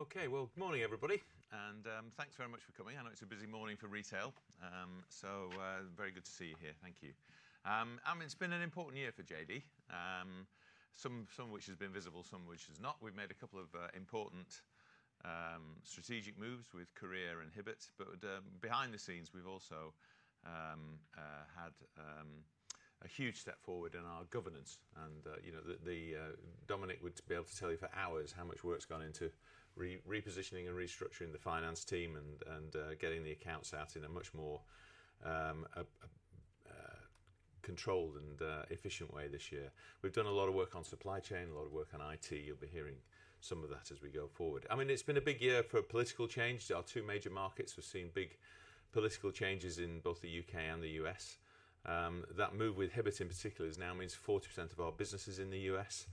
Okay, good morning, everybody. Thanks very much for coming. I know it's a busy morning for retail, so very good to see you here. Thank you. It's been an important year for JD, some of which has been visible, some of which has not. We've made a couple of important strategic moves with Courir and Hibbett. Behind the scenes, we've also had a huge step forward in our governance. Dominic would be able to tell you for hours how much work's gone into repositioning and restructuring the finance team and getting the accounts out in a much more controlled and efficient way this year. We've done a lot of work on supply chain, a lot of work on IT. You'll be hearing some of that as we go forward. It's been a big year for political change. Our two major markets have seen big political changes in both the U.K. and the U.S. That move with Hibbett, in particular, now means 40% of our business is in the U.S.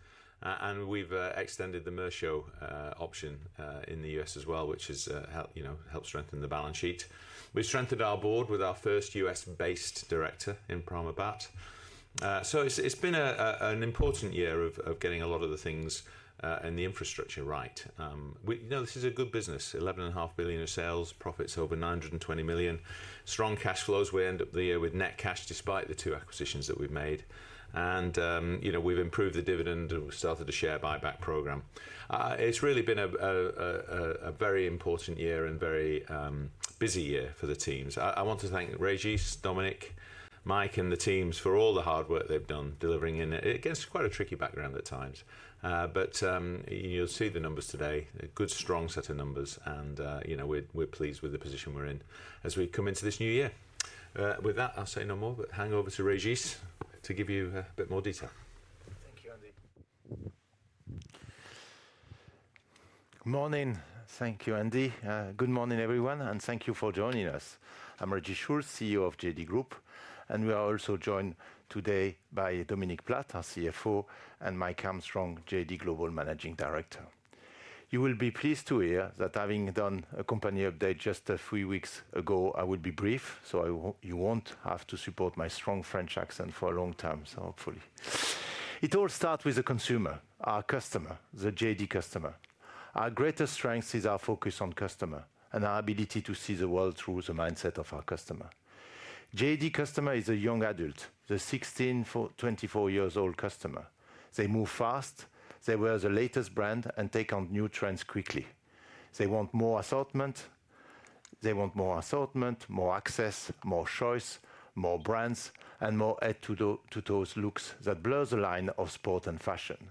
We have extended the Mercio option in the U.S. as well, which has helped strengthen the balance sheet. We have strengthened our board with our first U.S.-based director in Primar Bat. It has been an important year of getting a lot of the things and the infrastructure right. This is a good business: $11.5 billion of sales, profits over $920 million, strong cash flows. We end up the year with net cash despite the two acquisitions that we have made. We have improved the dividend and started a share buyback program. It has really been a very important year and very busy year for the teams. I want to thank Régis, Dominic, Mike, and the teams for all the hard work they've done delivering in, against quite a tricky background at times. You'll see the numbers today: a good, strong set of numbers. We're pleased with the position we're in as we come into this new year. With that, I'll say no more, but hand over to Régis to give you a bit more detail. Thank you, Andy. Good morning. Thank you, Andy. Good morning, everyone, and thank you for joining us. I'm Régis Schultz, CEO of JD Group. We are also joined today by Dominic Platt, our CFO, and Mike Armstrong, JD Global Managing Director. You will be pleased to hear that having done a company update just three weeks ago, I will be brief, so you won't have to support my strong French accent for a long time, hopefully. It all starts with the consumer, our customer, the JD customer. Our greatest strength is our focus on customer and our ability to see the world through the mindset of our customer. JD customer is a young adult, the 16 to 24-year-old customer. They move fast. They wear the latest brand and take on new trends quickly. They want more assortment. They want more assortment, more access, more choice, more brands, and more add-to-the-looks that blurs the line of sport and fashion.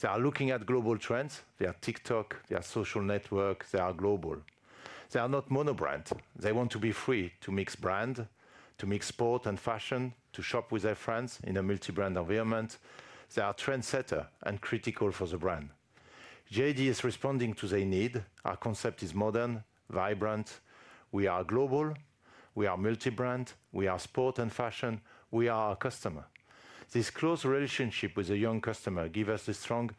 They are looking at global trends. They are TikTok. They are social networks. They are global. They are not monobrands. They want to be free to mix brand, to mix sport and fashion, to shop with their friends in a multi-brand environment. They are trendsetters and critical for the brand. JD is responding to their need. Our concept is modern, vibrant. We are global. We are multi-brand. We are sport and fashion. We are our customer. This close relationship with a young customer gives us a strong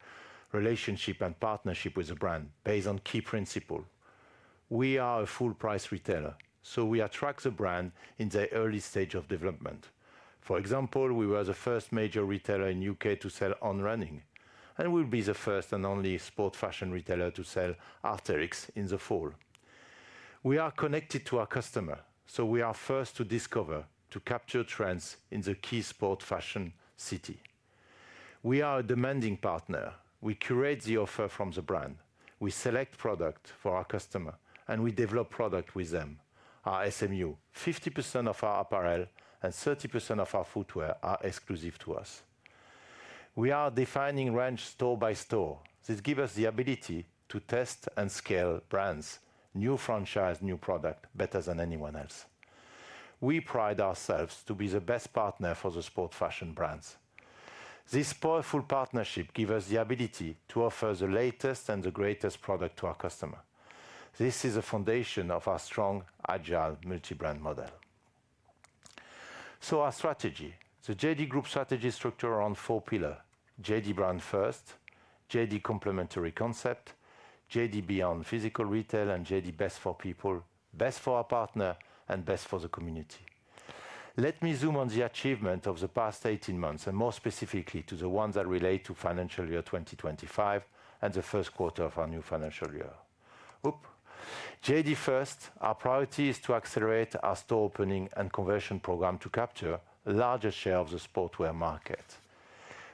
relationship and partnership with the brand based on key principles. We are a full-price retailer, so we attract the brand in the early stage of development. For example, we were the first major retailer in the U.K. to sell On, and we'll be the first and only sport fashion retailer to sell Arc'teryx in the fall. We are connected to our customer, so we are first to discover, to capture trends in the key sport fashion city. We are a demanding partner. We curate the offer from the brand. We select products for our customer, and we develop products with them. Our SMU: 50% of our apparel and 30% of our footwear are exclusive to us. We are defining range store by store. This gives us the ability to test and scale brands, new franchise, new product, better than anyone else. We pride ourselves on being the best partner for the sport fashion brands. This powerful partnership gives us the ability to offer the latest and the greatest product to our customer. This is the foundation of our strong, agile multi-brand model. Our strategy, the JD Group strategy, is structured around four pillars: JD Brand First, JD Complementary Concept, JD Beyond Physical Retail, and JD Best for People, Best for our Partner, and Best for the Community. Let me zoom on the achievements of the past 18 months, and more specifically to the ones that relate to financial year 2025 and the first quarter of our new financial year. JD First, our priority is to accelerate our store opening and conversion program to capture a larger share of the sportwear market.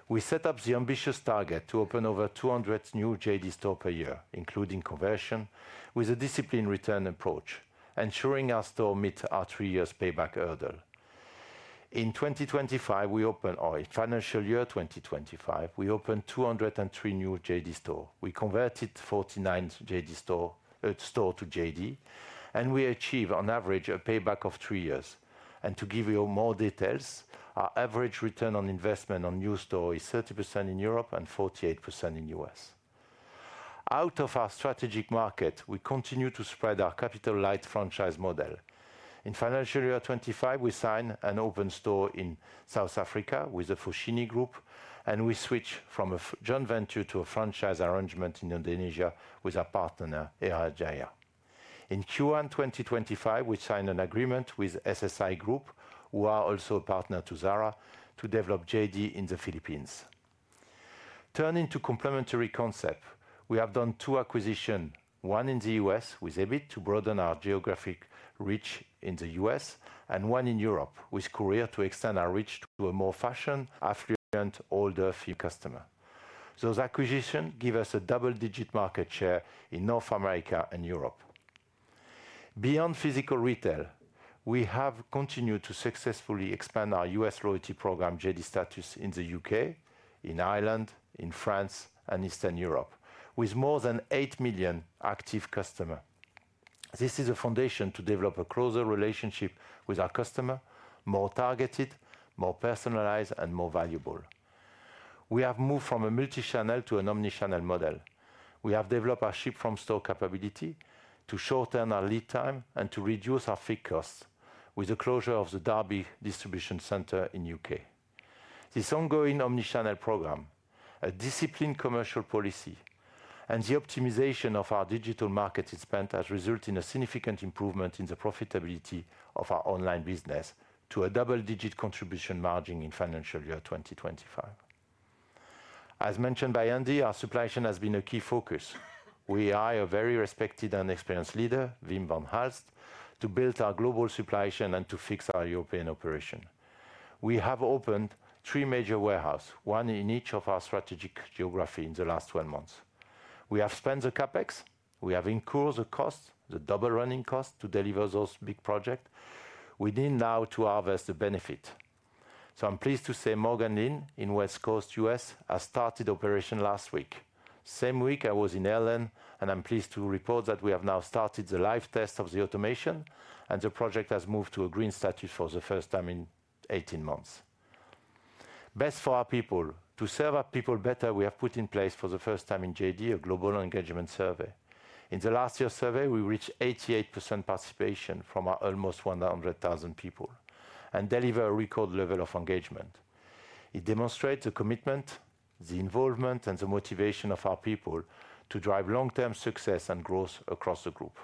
We set up the ambitious target to open over 200 new JD stores per year, including conversion, with a disciplined return approach, ensuring our store meets our three-year payback hurdle. In 2025, we open our financial year 2025, we opened 203 new JD stores. We converted 49 JD stores to JD, and we achieved, on average, a payback of three years. To give you more details, our average return on investment on new stores is 30% in Europe and 48% in the US. Out of our strategic market, we continue to spread our capital-light franchise model. In financial year 2025, we sign and open a store in South Africa with the Fushini Group, and we switch from a joint venture to a franchise arrangement in Indonesia with our partner, Air Jaya. In Q1 2025, we sign an agreement with SSI Group, who are also a partner to Zara, to develop JD in the Philippines. Turning to complementary concept, we have done two acquisitions, one in the US with Hibbett to broaden our geographic reach in the US, and one in Europe with Courir to extend our reach to a more fashion-affluent, older female customer. Those acquisitions give us a double-digit market share in North America and Europe. Beyond physical retail, we have continued to successfully expand our US loyalty program, JD Status, in the U.K., in Ireland, in France, and Eastern Europe, with more than 8 million active customers. This is a foundation to develop a closer relationship with our customers, more targeted, more personalized, and more valuable. We have moved from a multi-channel to an omnichannel model. We have developed our ship-from-store capability to shorten our lead time and to reduce our fixed costs with the closure of the Derby Distribution Center in the U.K. This ongoing omnichannel program, a disciplined commercial policy, and the optimization of our digital market expense has resulted in a significant improvement in the profitability of our online business to a double-digit contribution margin in financial year 2025. As mentioned by Andy, our supply chain has been a key focus. We hired a very respected and experienced leader, Wim Van Halst, to build our global supply chain and to fix our European operation. We have opened three major warehouses, one in each of our strategic geographies in the last 12 months. We have spent the CapEx. We have incurred the cost, the double running cost, to deliver those big projects. We need now to harvest the benefit. I'm pleased to say Morgan Hill in West Coast, US, has started operation last week. The same week, I was in Ireland, and I'm pleased to report that we have now started the live test of the automation, and the project has moved to a green status for the first time in 18 months. Best for our people. To serve our people better, we have put in place for the first time in JD a global engagement survey. In last year's survey, we reached 88% participation from our almost 100,000 people and delivered a record level of engagement. It demonstrates the commitment, the involvement, and the motivation of our people to drive long-term success and growth across the group.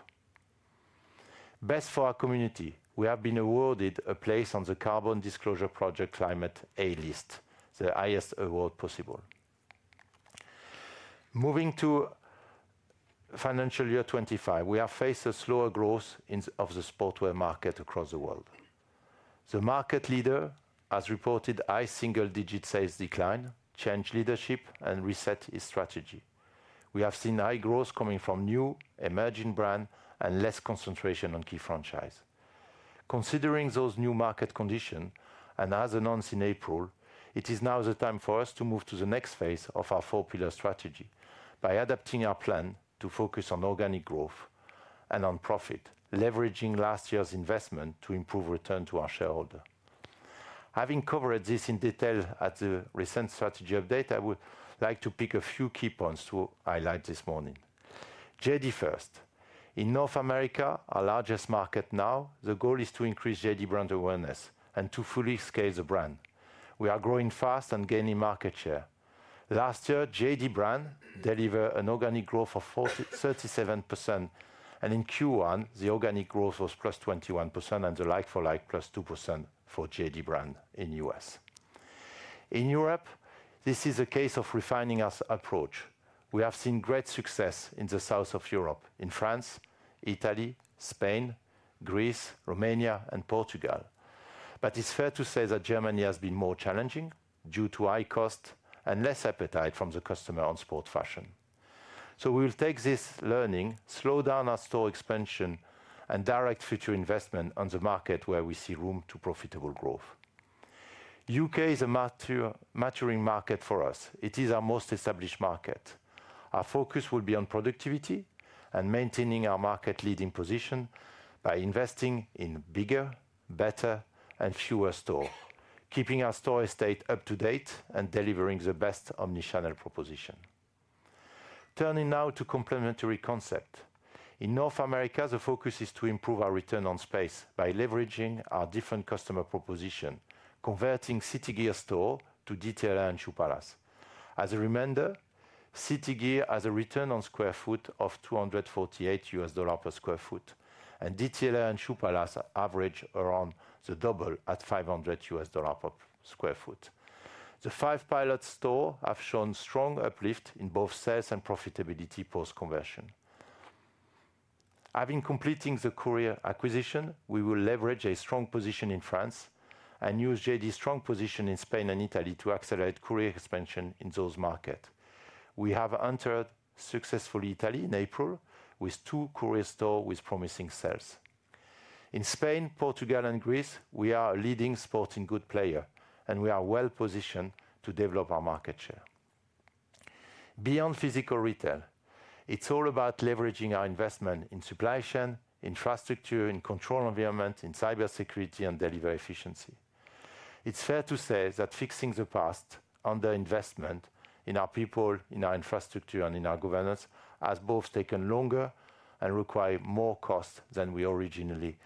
Best for our community. We have been awarded a place on the Carbon Disclosure Project Climate A list, the highest award possible. Moving to financial year 2025, we have faced a slower growth of the sportswear market across the world. The market leader has reported high single-digit sales decline, changed leadership, and reset his strategy. We have seen high growth coming from new, emerging brands and less concentration on key franchises. Considering those new market conditions and as announced in April, it is now the time for us to move to the next phase of our four-pillar strategy by adapting our plan to focus on organic growth and on profit, leveraging last year's investment to improve returns to our shareholders. Having covered this in detail at the recent strategy update, I would like to pick a few key points to highlight this morning. JD First. In North America, our largest market now, the goal is to increase JD brand awareness and to fully scale the brand. We are growing fast and gaining market share. Last year, JD brand delivered an organic growth of 37%. In Q1, the organic growth was +21% and the like-for-like +2% for JD brand in the US. In Europe, this is a case of refining our approach. We have seen great success in the south of Europe, in France, Italy, Spain, Greece, Romania, and Portugal. It is fair to say that Germany has been more challenging due to high costs and less appetite from the customer on sport fashion. We will take this learning, slow down our store expansion, and direct future investment on the market where we see room to profitable growth. The U.K. is a maturing market for us. It is our most established market. Our focus will be on productivity and maintaining our market leading position by investing in bigger, better, and fewer stores, keeping our store estate up to date and delivering the best omnichannel proposition. Turning now to complementary concept. In North America, the focus is to improve our return on space by leveraging our different customer proposition, converting City Gear store to DTLR and Shoe Palace. As a reminder, City Gear has a return on sq ft of $248 per sq ft, and DTLR and Shoe Palace average around the double at $500 per sq ft. The five pilot stores have shown strong uplift in both sales and profitability post-conversion. Having completed the Courir acquisition, we will leverage a strong position in France and use JD's strong position in Spain and Italy to accelerate Courir expansion in those markets. We have entered successfully Italy in April with two Courir stores with promising sales. In Spain, Portugal, and Greece, we are a leading sporting good player, and we are well positioned to develop our market share. Beyond physical retail, it's all about leveraging our investment in supply chain, infrastructure, in control environment, in cybersecurity, and delivery efficiency. It's fair to say that fixing the past under investment in our people, in our infrastructure, and in our governance has both taken longer and required more costs than we originally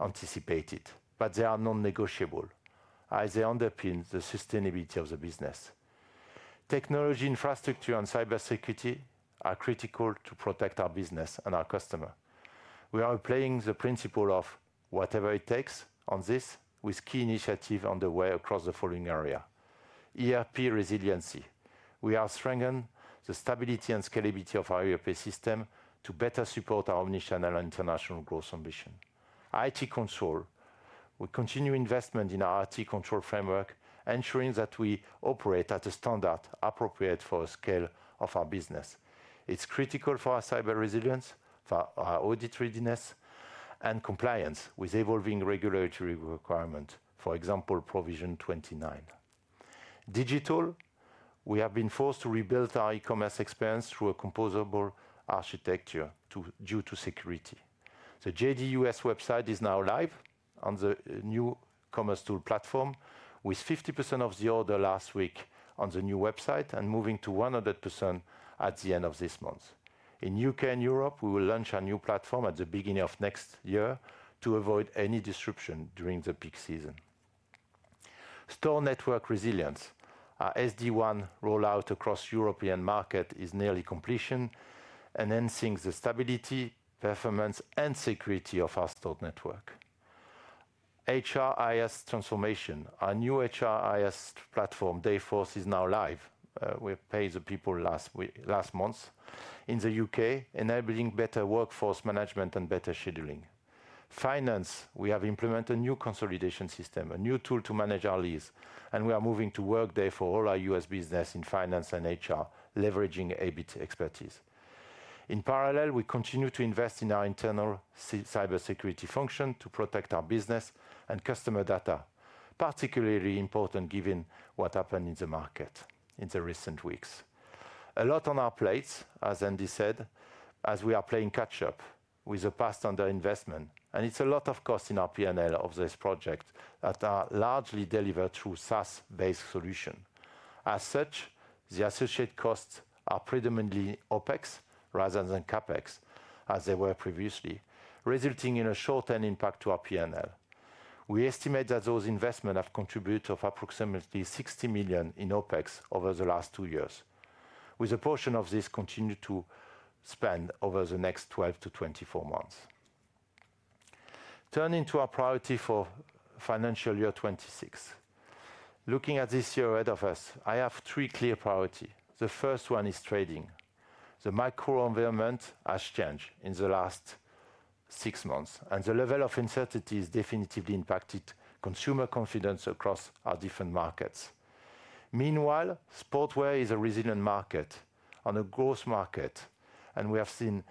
anticipated. They are non-negotiable as they underpin the sustainability of the business. Technology, infrastructure, and cybersecurity are critical to protect our business and our customers. We are playing the principle of whatever it takes on this with key initiatives underway across the following areas: ERP resiliency. We are strengthening the stability and scalability of our ERP system to better support our omnichannel and international growth ambition. IT control. We continue investment in our IT control framework, ensuring that we operate at a standard appropriate for the scale of our business. It's critical for our cyber resilience, for our audit readiness, and compliance with evolving regulatory requirements, for example, Provision 29. Digital. We have been forced to rebuild our e-commerce experience through a composable architecture due to security. The JD US website is now live on the new commerce tool platform, with 50% of the orders last week on the new website and moving to 100% at the end of this month. In the U.K. and Europe, we will launch a new platform at the beginning of next year to avoid any disruption during the peak season. Store network resilience. Our SD1 rollout across the European market is nearly completion and enhances the stability, performance, and security of our store network. HRIS transformation. Our new HRIS platform, Dayforce, is now live. We paid the people last month in the U.K., enabling better workforce management and better scheduling. Finance. We have implemented a new consolidation system, a new tool to manage our leads, and we are moving to Workday for all our US business in finance and HR, leveraging EBIT expertise. In parallel, we continue to invest in our internal cybersecurity function to protect our business and customer data, particularly important given what happened in the market in the recent weeks. A lot on our plates, as Andy said, as we are playing catch-up with the past under investment. It is a lot of costs in our P&L of this project that are largely delivered through SaaS-based solutions. As such, the associated costs are predominantly OPEX rather than CAPEX, as they were previously, resulting in a short-term impact to our P&L. We estimate that those investments have contributed approximately 60 million in OPEX over the last two years, with a portion of this continued to spend over the next 12 months-24 months. Turning to our priority for financial year 2026, looking at this year ahead of us, I have three clear priorities. The first one is trading. The macro environment has changed in the last six months, and the level of uncertainty has definitively impacted consumer confidence across our different markets. Meanwhile, sportwear is a resilient market on a growth market, and we have seen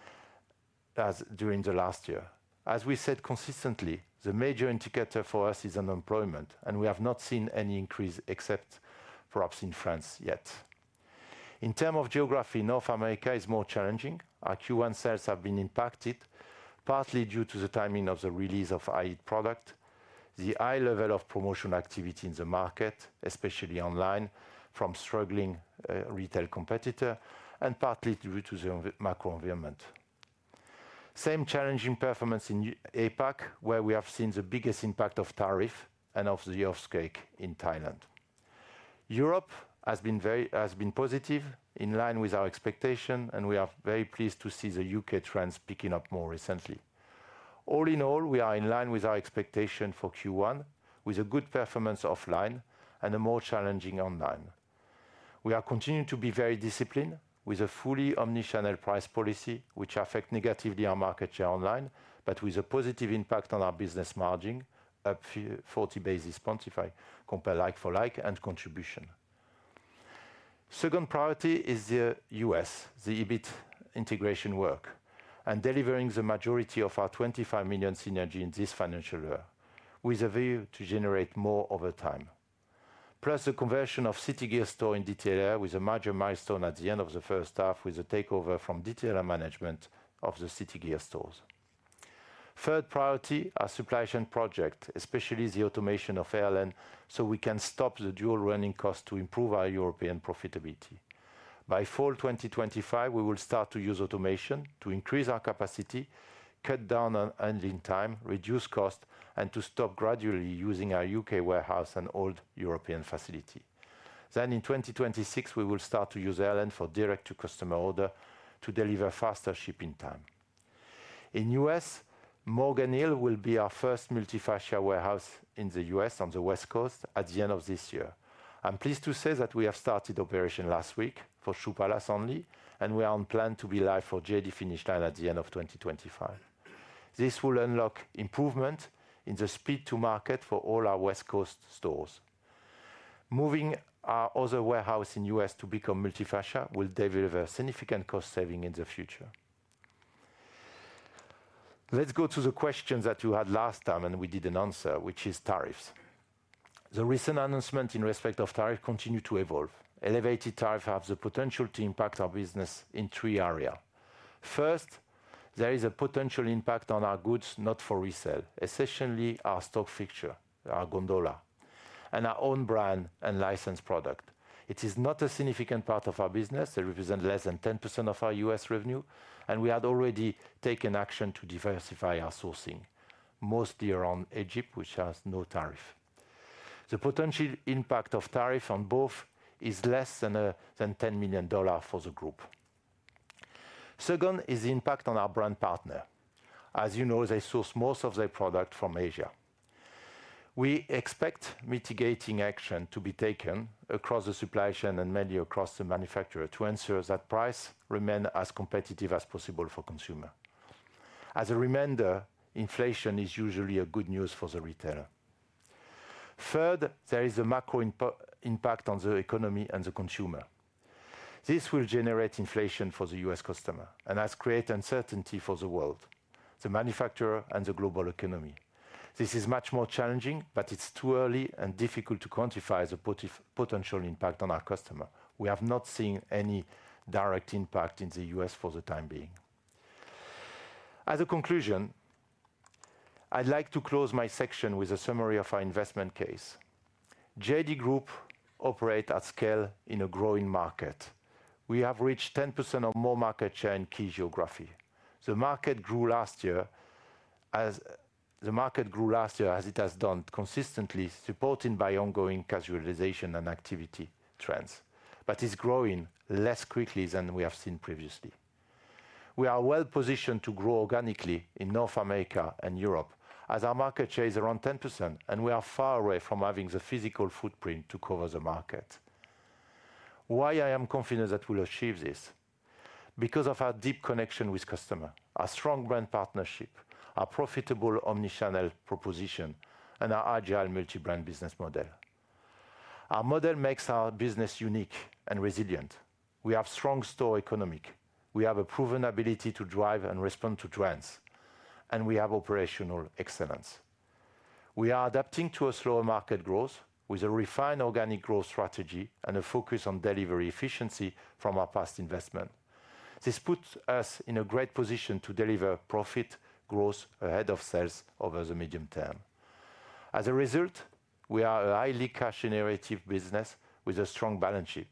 that during the last year. As we said consistently, the major indicator for us is unemployment, and we have not seen any increase except perhaps in France yet. In terms of geography, North America is more challenging. Our Q1 sales have been impacted, partly due to the timing of the release of high product, the high level of promotional activity in the market, especially online, from struggling retail competitors, and partly due to the macro environment. Same challenging performance in APAC, where we have seen the biggest impact of tariffs and of the off-skill in Thailand. Europe has been positive, in line with our expectations, and we are very pleased to see the U.K. trends picking up more recently. All in all, we are in line with our expectations for Q1, with a good performance offline and a more challenging online. We are continuing to be very disciplined with a fully omnichannel price policy, which affects negatively our market share online, but with a positive impact on our business margin, up 40 basis points if I compare like-for-like and contribution. Second priority is the U.S., the EBIT integration work, and delivering the majority of our $25 million synergy in this financial year, with a view to generate more over time. Plus, the conversion of City Gear Store in DTLR with a major milestone at the end of the first half, with the takeover from DTLR management of the City Gear Stores. Third priority are supply chain projects, especially the automation of Airlen, so we can stop the dual running costs to improve our European profitability. By fall 2025, we will start to use automation to increase our capacity, cut down on handling time, reduce costs, and to stop gradually using our U.K. warehouse and old European facility. In 2026, we will start to use Airlen for direct-to-customer orders to deliver faster shipping time. In the US, Morgan Hill will be our first multi-factor warehouse in the US on the West Coast at the end of this year. I'm pleased to say that we have started operation last week for Shoe Palace only, and we are on plan to be live for JD Finish Line at the end of 2025. This will unlock improvements in the speed-to-market for all our West Coast stores. Moving our other warehouse in the US to become multi-factor will deliver significant cost savings in the future. Let's go to the questions that you had last time, and we didn't answer, which is tariffs. The recent announcement in respect of tariffs continues to evolve. Elevated tariffs have the potential to impact our business in three areas. First, there is a potential impact on our goods not for resale, especially our stock fixture, our gondola, and our own brand and licensed product. It is not a significant part of our business. It represents less than 10% of our US revenue, and we had already taken action to diversify our sourcing, mostly around Egypt, which has no tariff. The potential impact of tariffs on both is less than $10 million for the group. Second is the impact on our brand partners. As you know, they source most of their products from Asia. We expect mitigating action to be taken across the supply chain and mainly across the manufacturer to ensure that prices remain as competitive as possible for consumers. As a reminder, inflation is usually good news for the retailer. Third, there is a macro impact on the economy and the consumer. This will generate inflation for the US customers and has created uncertainty for the world, the manufacturer, and the global economy. This is much more challenging, but it's too early and difficult to quantify the potential impact on our customers. We have not seen any direct impact in the US for the time being. As a conclusion, I'd like to close my section with a summary of our investment case. JD Group operates at scale in a growing market. We have reached 10% or more market share in key geography. The market grew last year as it has done, consistently supported by ongoing casualization and activity trends, but it's growing less quickly than we have seen previously. We are well positioned to grow organically in North America and Europe, as our market share is around 10%, and we are far away from having the physical footprint to cover the market. Why I am confident that we will achieve this? Because of our deep connection with customers, our strong brand partnership, our profitable omnichannel proposition, and our agile multi-brand business model. Our model makes our business unique and resilient. We have strong store economics. We have a proven ability to drive and respond to trends, and we have operational excellence. We are adapting to a slower market growth with a refined organic growth strategy and a focus on delivery efficiency from our past investment. This puts us in a great position to deliver profit growth ahead of sales over the medium term. As a result, we are a highly cash-generative business with a strong balance sheet.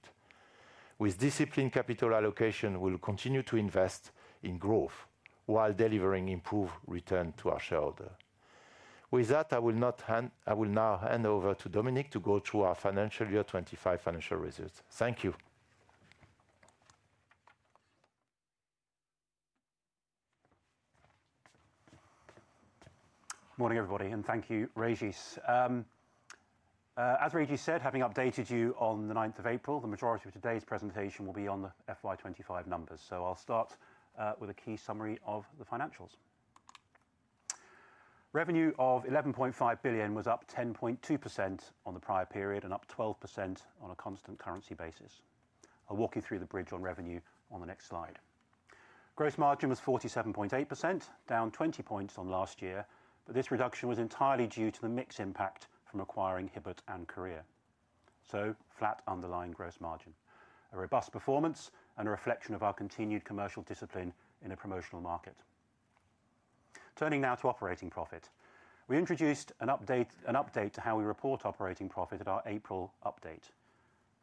With disciplined capital allocation, we will continue to invest in growth while delivering improved returns to our shareholders. With that, I will now hand over to Dominic to go through our financial year 2025 financial results. Thank you. Good morning, everybody, and thank you, Régis. As Régis said, having updated you on the 9th of April, the majority of today's presentation will be on the FY2025 numbers. I'll start with a key summary of the financials. Revenue of $11.5 billion was up 10.2% on the prior period and up 12% on a constant currency basis. I'll walk you through the bridge on revenue on the next slide. Gross margin was 47.8%, down 20 basis points from last year, but this reduction was entirely due to the mix impact from acquiring Hibbett and Courir. Flat underlying gross margin, a robust performance, and a reflection of our continued commercial discipline in a promotional market. Turning now to operating profit. We introduced an update to how we report operating profit at our April update.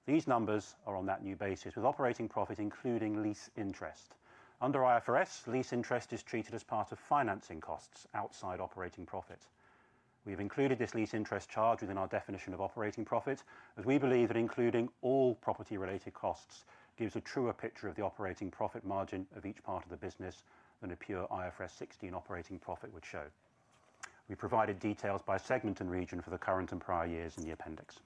These numbers are on that new basis, with operating profit including lease interest. Under IFRS, lease interest is treated as part of financing costs outside operating profit. We have included this lease interest charge within our definition of operating profit, as we believe that including all property-related costs gives a truer picture of the operating profit margin of each part of the business than a pure IFRS 16 operating profit would show. We provided details by segment and region for the current and prior years in the appendix.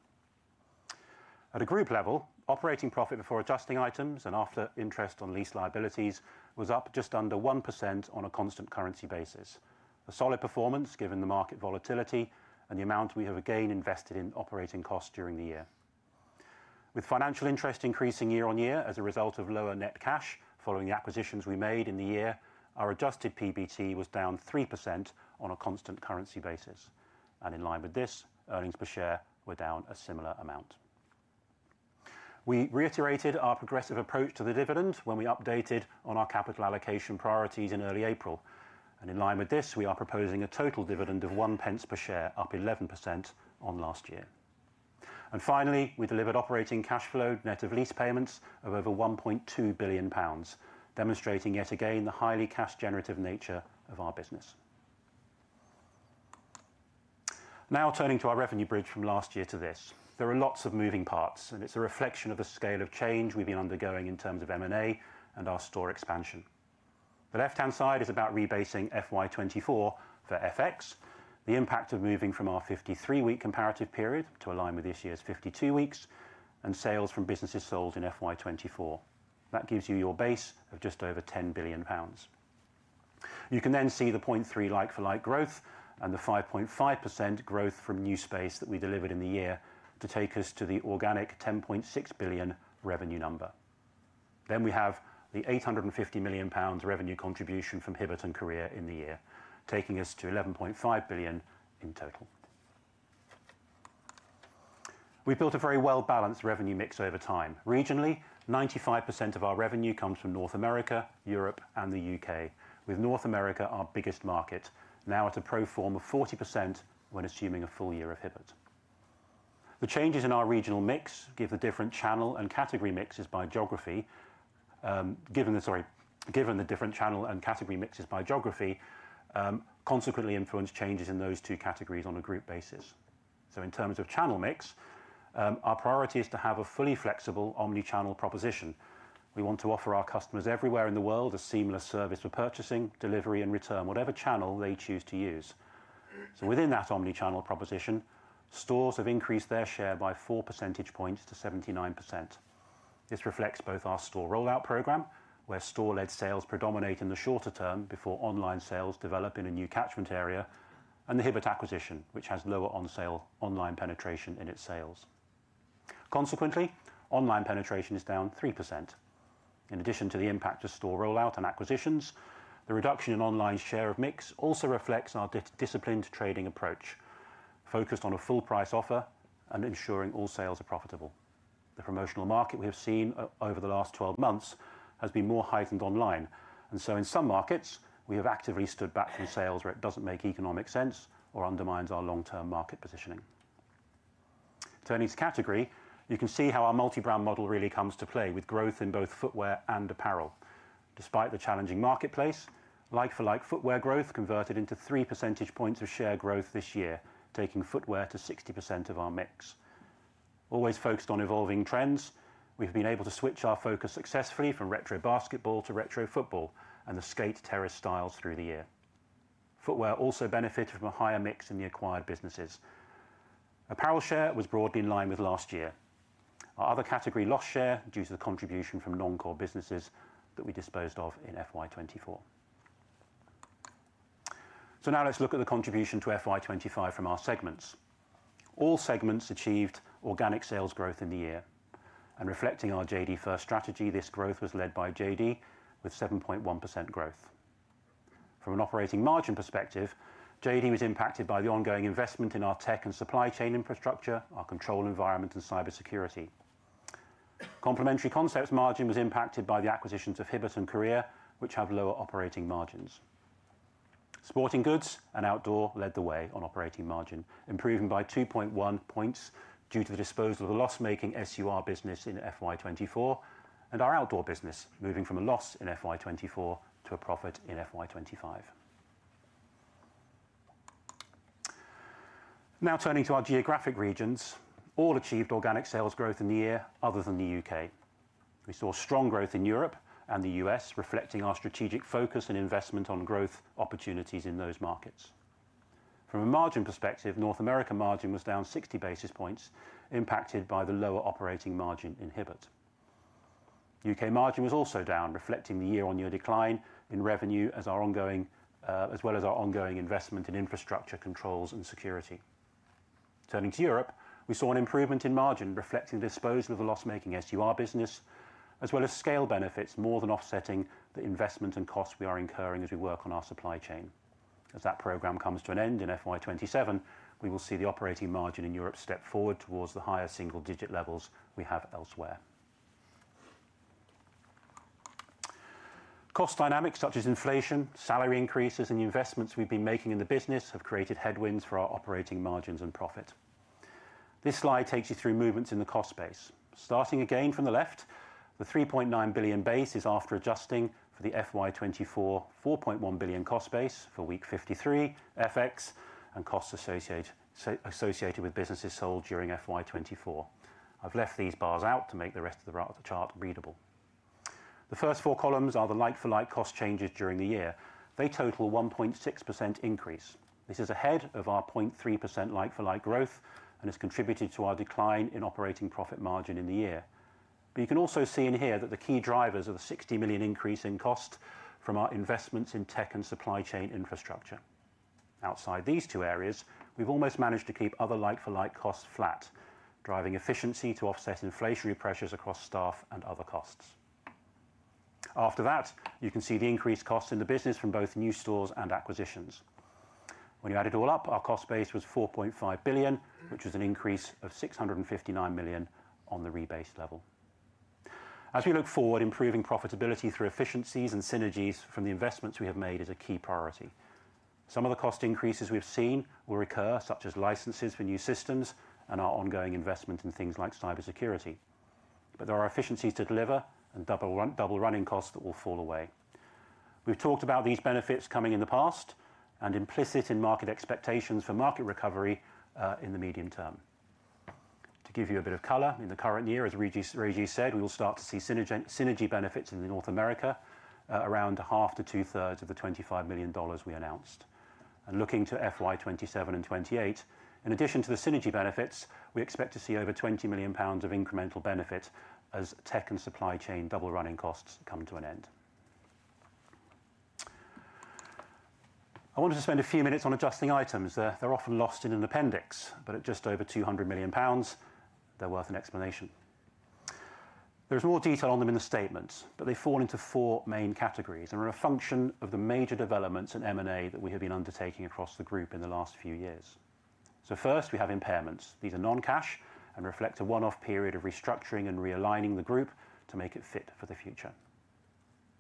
At a group level, operating profit before adjusting items and after interest on lease liabilities was up just under 1% on a constant currency basis. A solid performance given the market volatility and the amount we have again invested in operating costs during the year. With financial interest increasing year on year as a result of lower net cash following the acquisitions we made in the year, our adjusted PBT was down 3% on a constant currency basis. In line with this, earnings per share were down a similar amount. We reiterated our progressive approach to the dividend when we updated on our capital allocation priorities in early April. In line with this, we are proposing a total dividend of 0.01 per share, up 11% on last year. Finally, we delivered operating cash flow net of lease payments of over 1.2 billion pounds, demonstrating yet again the highly cash-generative nature of our business. Now turning to our revenue bridge from last year to this. There are lots of moving parts, and it is a reflection of the scale of change we have been undergoing in terms of M&A and our store expansion. The left-hand side is about rebasing FY2024 for FX, the impact of moving from our 53-week comparative period to align with this year's 52 weeks, and sales from businesses sold in FY2024. That gives you your base of just over 10 billion pounds. You can then see the 0.3% like-for-like growth and the 5.5% growth from new space that we delivered in the year to take us to the organic 10.6 billion revenue number. Then we have the 850 million pounds revenue contribution from Hibbett and Courir in the year, taking us to 11.5 billion in total. We've built a very well-balanced revenue mix over time. Regionally, 95% of our revenue comes from North America, Europe, and the U.K., with North America our biggest market, now at a pro forma of 40% when assuming a full year of Hibbett. The changes in our regional mix give the different channel and category mixes by geography, given the different channel and category mixes by geography, consequently influence changes in those two categories on a group basis. In terms of channel mix, our priority is to have a fully flexible omnichannel proposition. We want to offer our customers everywhere in the world a seamless service for purchasing, delivery, and return, whatever channel they choose to use. Within that omnichannel proposition, stores have increased their share by 4 percentage points to 79%. This reflects both our store rollout program, where store-led sales predominate in the shorter term before online sales develop in a new catchment area, and the Hibbett acquisition, which has lower online penetration in its sales. Consequently, online penetration is down 3%. In addition to the impact of store rollout and acquisitions, the reduction in online share of mix also reflects our disciplined trading approach, focused on a full-price offer and ensuring all sales are profitable. The promotional market we have seen over the last 12 months has been more heightened online. In some markets, we have actively stood back from sales where it does not make economic sense or undermines our long-term market positioning. Turning to category, you can see how our multi-brand model really comes to play with growth in both footwear and apparel. Despite the challenging marketplace, like-for-like footwear growth converted into 3 percentage points of share growth this year, taking footwear to 60% of our mix. Always focused on evolving trends, we have been able to switch our focus successfully from retro basketball to retro football and the skate terrace styles through the year. Footwear also benefited from a higher mix in the acquired businesses. Apparel share was broadly in line with last year. Our other category lost share due to the contribution from non-core businesses that we disposed of in FY2024. Now let's look at the contribution to FY2025 from our segments. All segments achieved organic sales growth in the year. Reflecting our JD First strategy, this growth was led by JD with 7.1% growth. From an operating margin perspective, JD was impacted by the ongoing investment in our tech and supply chain infrastructure, our control environment, and cybersecurity. Complementary concepts margin was impacted by the acquisitions of Hibbett and Courir, which have lower operating margins. Sporting goods and outdoor led the way on operating margin, improving by 2.1 percentage points due to the disposal of the loss-making SUR business in 2024 and our outdoor business moving from a loss in 2024 to a profit in 2025. Now turning to our geographic regions, all achieved organic sales growth in the year other than the U.K. We saw strong growth in Europe and the U.S., reflecting our strategic focus and investment on growth opportunities in those markets. From a margin perspective, North America margin was down 60 basis points, impacted by the lower operating margin in Hibbett. U.K. margin was also down, reflecting the year-on-year decline in revenue as well as our ongoing investment in infrastructure controls and security. Turning to Europe, we saw an improvement in margin, reflecting the disposal of the loss-making SUR business, as well as scale benefits more than offsetting the investment and costs we are incurring as we work on our supply chain. As that program comes to an end in FY 2027, we will see the operating margin in Europe step forward towards the higher single-digit levels we have elsewhere. Cost dynamics such as inflation, salary increases, and investments we've been making in the business have created headwinds for our operating margins and profit. This slide takes you through movements in the cost base. Starting again from the left, the $3.9 billion base is after adjusting for the FY 2024 $4.1 billion cost base for week 53 FX and costs associated with businesses sold during FY 2024. I've left these bars out to make the rest of the chart readable. The first four columns are the like-for-like cost changes during the year. They total a 1.6% increase. This is ahead of our 0.3% like-for-like growth and has contributed to our decline in operating profit margin in the year. You can also see in here that the key drivers are the $60 million increase in cost from our investments in tech and supply chain infrastructure. Outside these two areas, we've almost managed to keep other like-for-like costs flat, driving efficiency to offset inflationary pressures across staff and other costs. After that, you can see the increased costs in the business from both new stores and acquisitions. When you add it all up, our cost base was $4.5 billion, which was an increase of $659 million on the rebase level. As we look forward, improving profitability through efficiencies and synergies from the investments we have made is a key priority. Some of the cost increases we've seen will recur, such as licenses for new systems and our ongoing investment in things like cybersecurity. There are efficiencies to deliver and double-running costs that will fall away. We've talked about these benefits coming in the past and implicit in market expectations for market recovery in the medium term. To give you a bit of color, in the current year, as Régis said, we will start to see synergy benefits in North America around half to two-thirds of the $25 million we announced. Looking to FY2027 and 2028, in addition to the synergy benefits, we expect to see over 20 million pounds of incremental benefit as tech and supply chain double-running costs come to an end. I wanted to spend a few minutes on adjusting items. They're often lost in an appendix, but at just over 200 million pounds, they're worth an explanation. There's more detail on them in the statements, but they fall into four main categories and are a function of the major developments in M&A that we have been undertaking across the group in the last few years. First, we have impairments. These are non-cash and reflect a one-off period of restructuring and realigning the group to make it fit for the future.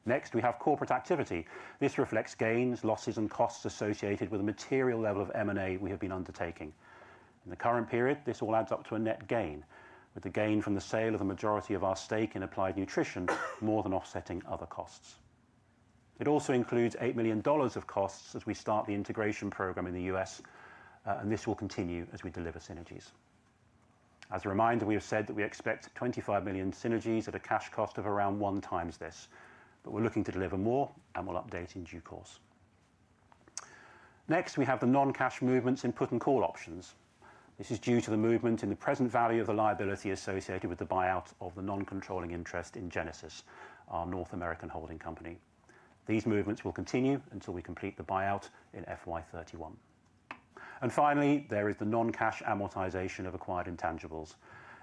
Next, we have corporate activity. This reflects gains, losses, and costs associated with the material level of M&A we have been undertaking. In the current period, this all adds up to a net gain, with the gain from the sale of the majority of our stake in Applied Nutrition more than offsetting other costs. It also includes $8 million of costs as we start the integration program in the U.S., and this will continue as we deliver synergies. As a reminder, we have said that we expect $25 million synergies at a cash cost of around one times this, but we're looking to deliver more and will update in due course. Next, we have the non-cash movements in put and call options. This is due to the movement in the present value of the liability associated with the buyout of the non-controlling interest in Genesis, our North American holding company. These movements will continue until we complete the buyout in fiscal year 2031. Finally, there is the non-cash amortization of acquired intangibles.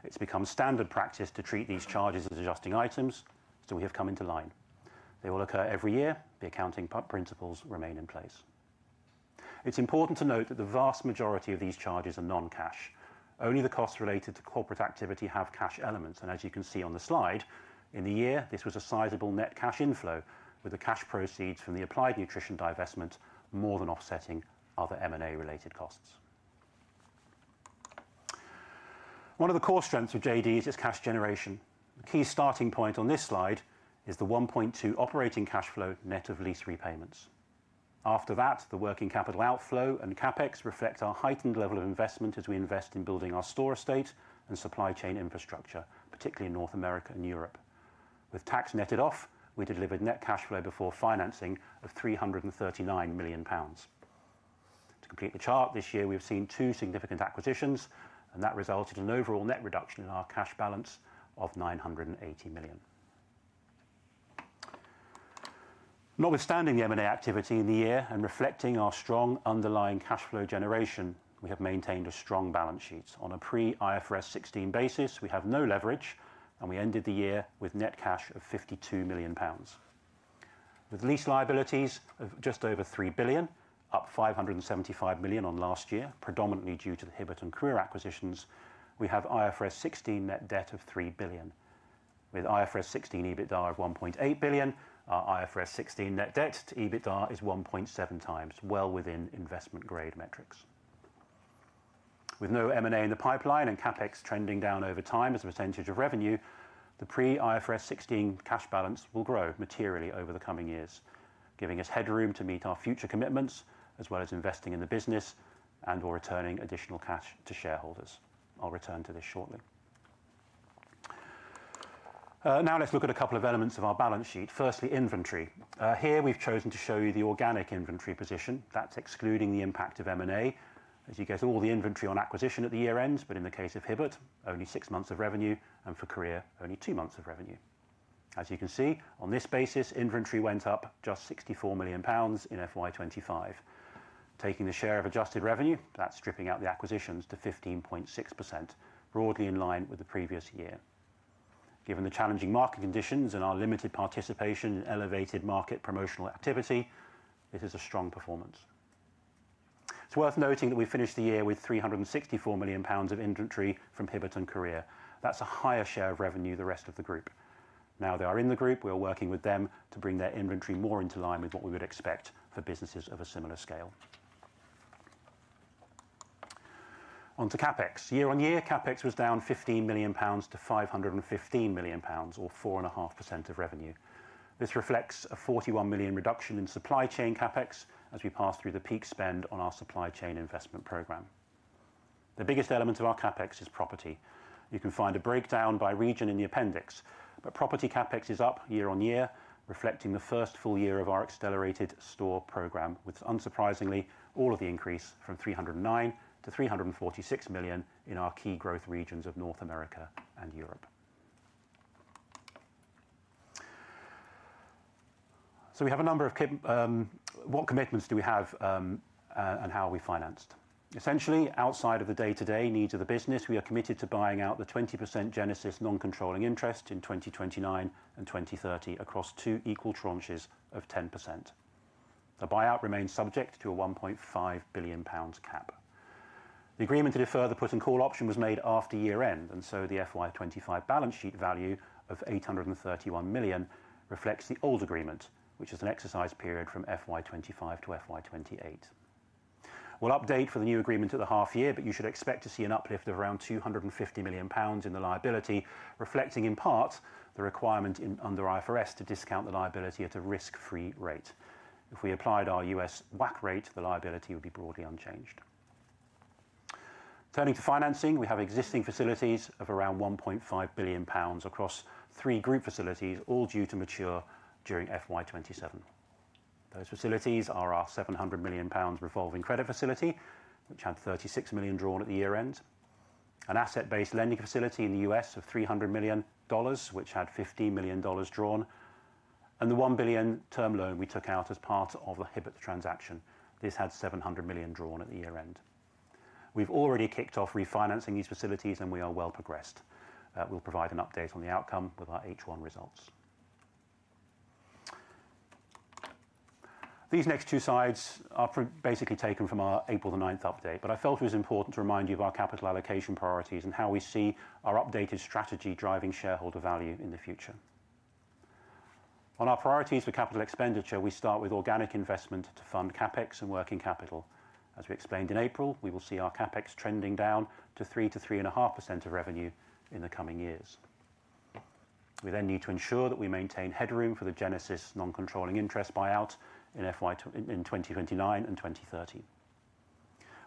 It's become standard practice to treat these charges as adjusting items, so we have come into line. They will occur every year. The accounting principles remain in place. It's important to note that the vast majority of these charges are non-cash. Only the costs related to corporate activity have cash elements. As you can see on the slide, in the year, this was a sizable net cash inflow, with the cash proceeds from the Applied Nutrition divestment more than offsetting other M&A-related costs. One of the core strengths of JD is its cash generation. The key starting point on this slide is the 1.2 billion operating cash flow net of lease repayments. After that, the working capital outflow and Capex reflect our heightened level of investment as we invest in building our store estate and supply chain infrastructure, particularly in North America and Europe. With tax netted off, we delivered net cash flow before financing of 339 million pounds. To complete the chart, this year, we have seen two significant acquisitions, and that resulted in an overall net reduction in our cash balance of 980 million. Notwithstanding the M&A activity in the year and reflecting our strong underlying cash flow generation, we have maintained a strong balance sheet. On a pre-IFRS 16 basis, we have no leverage, and we ended the year with net cash of 52 million pounds. With lease liabilities of just over 3 billion, up 575 million on last year, predominantly due to the Hibbett and Courir acquisitions, we have IFRS 16 net debt of 3 billion. With IFRS 16 EBITDA of 1.8 billion, our IFRS 16 net debt to EBITDA is 1.7x, well within investment-grade metrics. With no M&A in the pipeline and capex trending down over time as a percentage of revenue, the pre-IFRS 16 cash balance will grow materially over the coming years, giving us headroom to meet our future commitments as well as investing in the business and/or returning additional cash to shareholders. I'll return to this shortly. Now let's look at a couple of elements of our balance sheet. Firstly, inventory. Here we have chosen to show you the organic inventory position. That is excluding the impact of M&A, as you get all the inventory on acquisition at the year-end, but in the case of Hibbett, only six months of revenue, and for Courir, only two months of revenue. As you can see, on this basis, inventory went up just 64 million pounds in FY2025. Taking the share of adjusted revenue, that is stripping out the acquisitions to 15.6%, broadly in line with the previous year. Given the challenging market conditions and our limited participation in elevated market promotional activity, this is a strong performance. It is worth noting that we finished the year with 364 million pounds of inventory from Hibbett and Courir. That is a higher share of revenue than the rest of the group. Now they are in the group; we are working with them to bring their inventory more into line with what we would expect for businesses of a similar scale. Onto CapEx. Year-on-year, CapEx was down 15 million pounds to 515 million pounds, or 4.5% of revenue. This reflects a 41 million reduction in supply chain CapEx as we pass through the peak spend on our supply chain investment program. The biggest element of our CapEx is property. You can find a breakdown by region in the appendix, but property CapEx is up year-on-year, reflecting the first full year of our accelerated store program, with, unsurprisingly, all of the increase from 309 million to 346 million in our key growth regions of North America and Europe. We have a number of commitments. What commitments do we have and how are we financed? Essentially, outside of the day-to-day needs of the business, we are committed to buying out the 20% Genesis non-controlling interest in 2029 and 2030 across two equal tranches of 10%. The buyout remains subject to a 1.5 billion pounds cap. The agreement to defer the put and call option was made after year-end, and so the FY2025 balance sheet value of 831 million reflects the old agreement, which is an exercise period from FY2025 to FY2028. We'll update for the new agreement at the half year, but you should expect to see an uplift of around 250 million pounds in the liability, reflecting in part the requirement under IFRS 16 to discount the liability at a risk-free rate. If we applied our US WAC rate, the liability would be broadly unchanged. Turning to financing, we have existing facilities of around 1.5 billion pounds across three group facilities, all due to mature during FY2027. Those facilities are our 700 million pounds revolving credit facility, which had 36 million drawn at the year-end, an asset-based lending facility in the US of $300 million, which had $15 million drawn, and the 1 billion term loan we took out as part of the Hibbett transaction. This had $700 million drawn at the year-end. We've already kicked off refinancing these facilities, and we are well progressed. We'll provide an update on the outcome with our H1 results. These next two slides are basically taken from our April 9 update, but I felt it was important to remind you of our capital allocation priorities and how we see our updated strategy driving shareholder value in the future. On our priorities for capital expenditure, we start with organic investment to fund CapEx and working capital. As we explained in April, we will see our CapEx trending down to 3%-3.5% of revenue in the coming years. We then need to ensure that we maintain headroom for the Genesis non-controlling interest buyout in 2029 and 2030.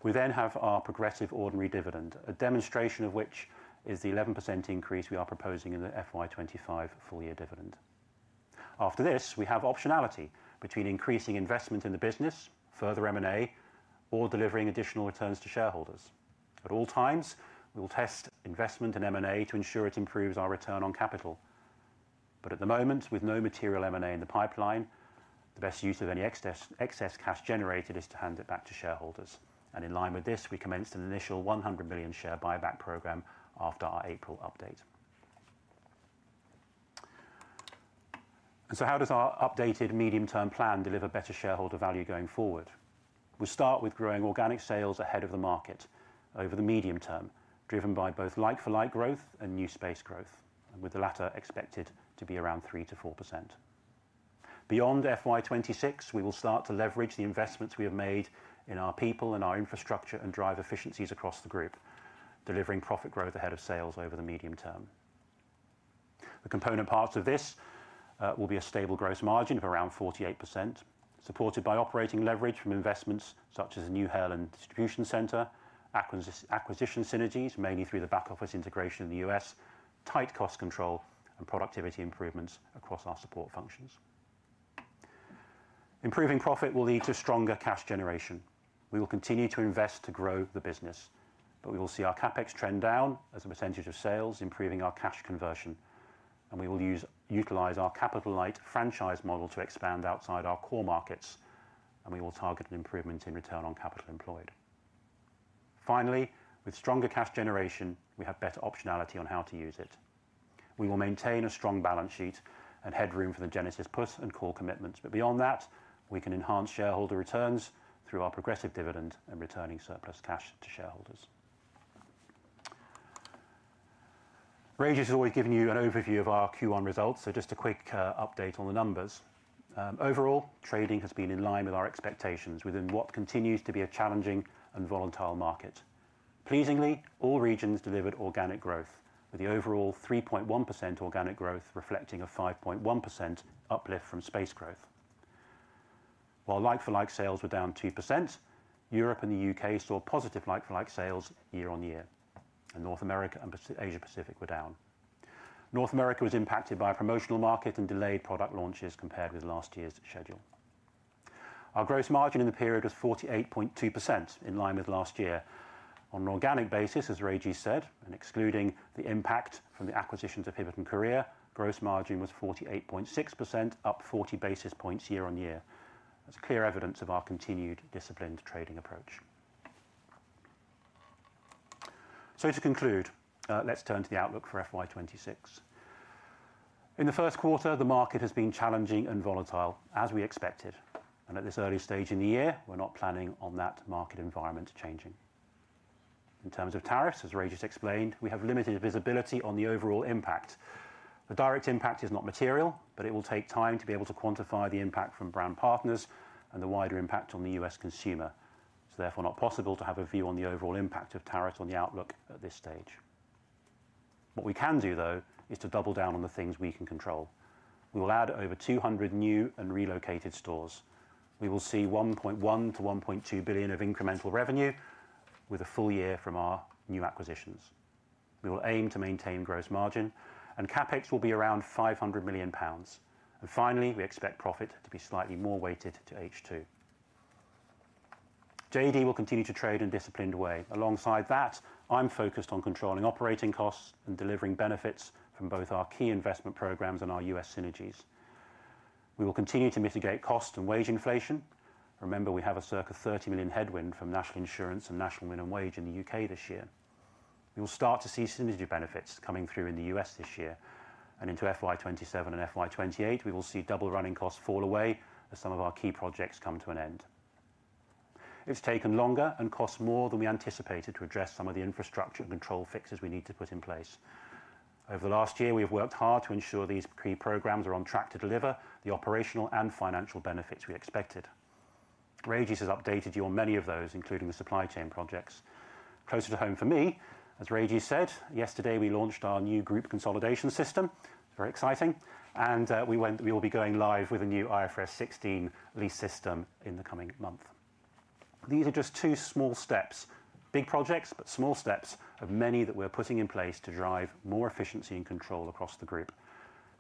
We then have our progressive ordinary dividend, a demonstration of which is the 11% increase we are proposing in the FY2025 full-year dividend. After this, we have optionality between increasing investment in the business, further M&A, or delivering additional returns to shareholders. At all times, we will test investment in M&A to ensure it improves our return on capital. At the moment, with no material M&A in the pipeline, the best use of any excess cash generated is to hand it back to shareholders. In line with this, we commenced an initial 100 million share buyback program after our April update. How does our updated medium-term plan deliver better shareholder value going forward? We'll start with growing organic sales ahead of the market over the medium term, driven by both like-for-like growth and new space growth, with the latter expected to be around 3%-4%. Beyond FY2026, we will start to leverage the investments we have made in our people and our infrastructure and drive efficiencies across the group, delivering profit growth ahead of sales over the medium term. The component parts of this will be a stable gross margin of around 48%, supported by operating leverage from investments such as the new Ireland Distribution Centre, acquisition synergies, mainly through the back-office integration in the US, tight cost control, and productivity improvements across our support functions. Improving profit will lead to stronger cash generation. We will continue to invest to grow the business, but we will see our CapEx trend down as a percentage of sales, improving our cash conversion. We will utilize our capital-light franchise model to expand outside our core markets, and we will target an improvement in return on capital employed. Finally, with stronger cash generation, we have better optionality on how to use it. We will maintain a strong balance sheet and headroom for the Genesis puts and call commitments. Beyond that, we can enhance shareholder returns through our progressive dividend and returning surplus cash to shareholders. Régis has always given you an overview of our Q1 results, so just a quick update on the numbers. Overall, trading has been in line with our expectations within what continues to be a challenging and volatile market. Pleasingly, all regions delivered organic growth, with the overall 3.1% organic growth reflecting a 5.1% uplift from space growth. While like-for-like sales were down 2%, Europe and the U.K. saw positive like-for-like sales year-on-year, and North America and Asia Pacific were down. North America was impacted by a promotional market and delayed product launches compared with last year's schedule. Our gross margin in the period was 48.2%, in line with last year. On an organic basis, as Régis said, and excluding the impact from the acquisitions of Hibbett and Courir, gross margin was 48.6%, up 40 basis points year-on-year. That is clear evidence of our continued disciplined trading approach. To conclude, let's turn to the outlook for FY2026. In the first quarter, the market has been challenging and volatile, as we expected. At this early stage in the year, we're not planning on that market environment changing. In terms of tariffs, as Régis explained, we have limited visibility on the overall impact. The direct impact is not material, but it will take time to be able to quantify the impact from brand partners and the wider impact on the U.S. consumer. It's therefore not possible to have a view on the overall impact of tariffs on the outlook at this stage. What we can do, though, is to double down on the things we can control. We will add over 200 new and relocated stores. We will see $1.1 billion-$1.2 billion of incremental revenue with a full year from our new acquisitions. We will aim to maintain gross margin, and CapEx will be around 500 million pounds. Finally, we expect profit to be slightly more weighted to H2. JD will continue to trade in a disciplined way. Alongside that, I'm focused on controlling operating costs and delivering benefits from both our key investment programs and our US synergies. We will continue to mitigate cost and wage inflation. Remember, we have a circa 30 million headwind from National Insurance and National Minimum Wage in the U.K. this year. We will start to see synergy benefits coming through in the US this year. Into FY2027 and FY2028, we will see double running costs fall away as some of our key projects come to an end. It's taken longer and costs more than we anticipated to address some of the infrastructure and control fixes we need to put in place. Over the last year, we have worked hard to ensure these key programs are on track to deliver the operational and financial benefits we expected. Régis has updated you on many of those, including the supply chain projects. Closer to home for me, as Régis said, yesterday we launched our new group consolidation system. It is very exciting. We will be going live with a new IFRS 16 lease system in the coming month. These are just two small steps, big projects, but small steps of many that we are putting in place to drive more efficiency and control across the group.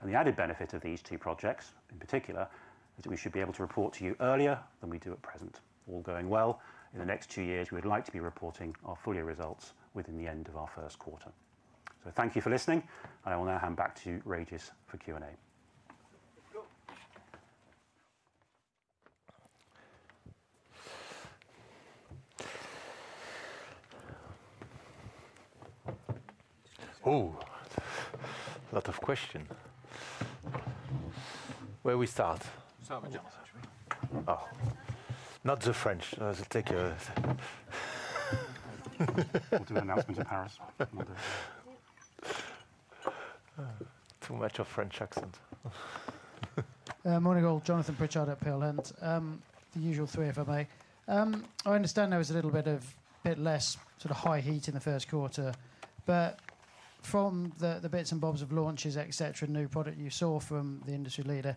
The added benefit of these two projects, in particular, is that we should be able to report to you earlier than we do at present. All going well, in the next two years, we would like to be reporting our full-year results within the end of our first quarter. Thank you for listening, and I will now hand back to you, Régis, for Q&A. Oh, a lot of questions. Where do we start? Start with Jonathan. Oh. Not so French. I will take your... We'll do an announcement in Paris. Too much of a French accent. Morning all. Jonathan Pritchard at Peel Hunt. The usual three if I may. I understand there was a little bit less sort of high heat in the first quarter, but from the bits and bobs of launches, etc., new product you saw from the industry leader,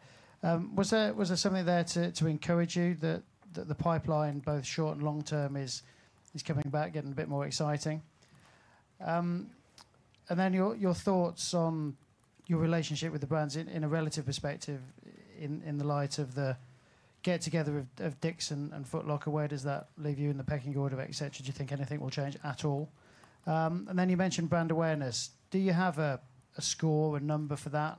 was there something there to encourage you that the pipeline, both short and long term, is coming back, getting a bit more exciting? Your thoughts on your relationship with the brands in a relative perspective in the light of the get-together of Dick's and Foot Locker. Where does that leave you in the pecking order, etc.? Do you think anything will change at all? You mentioned brand awareness. Do you have a score, a number for that?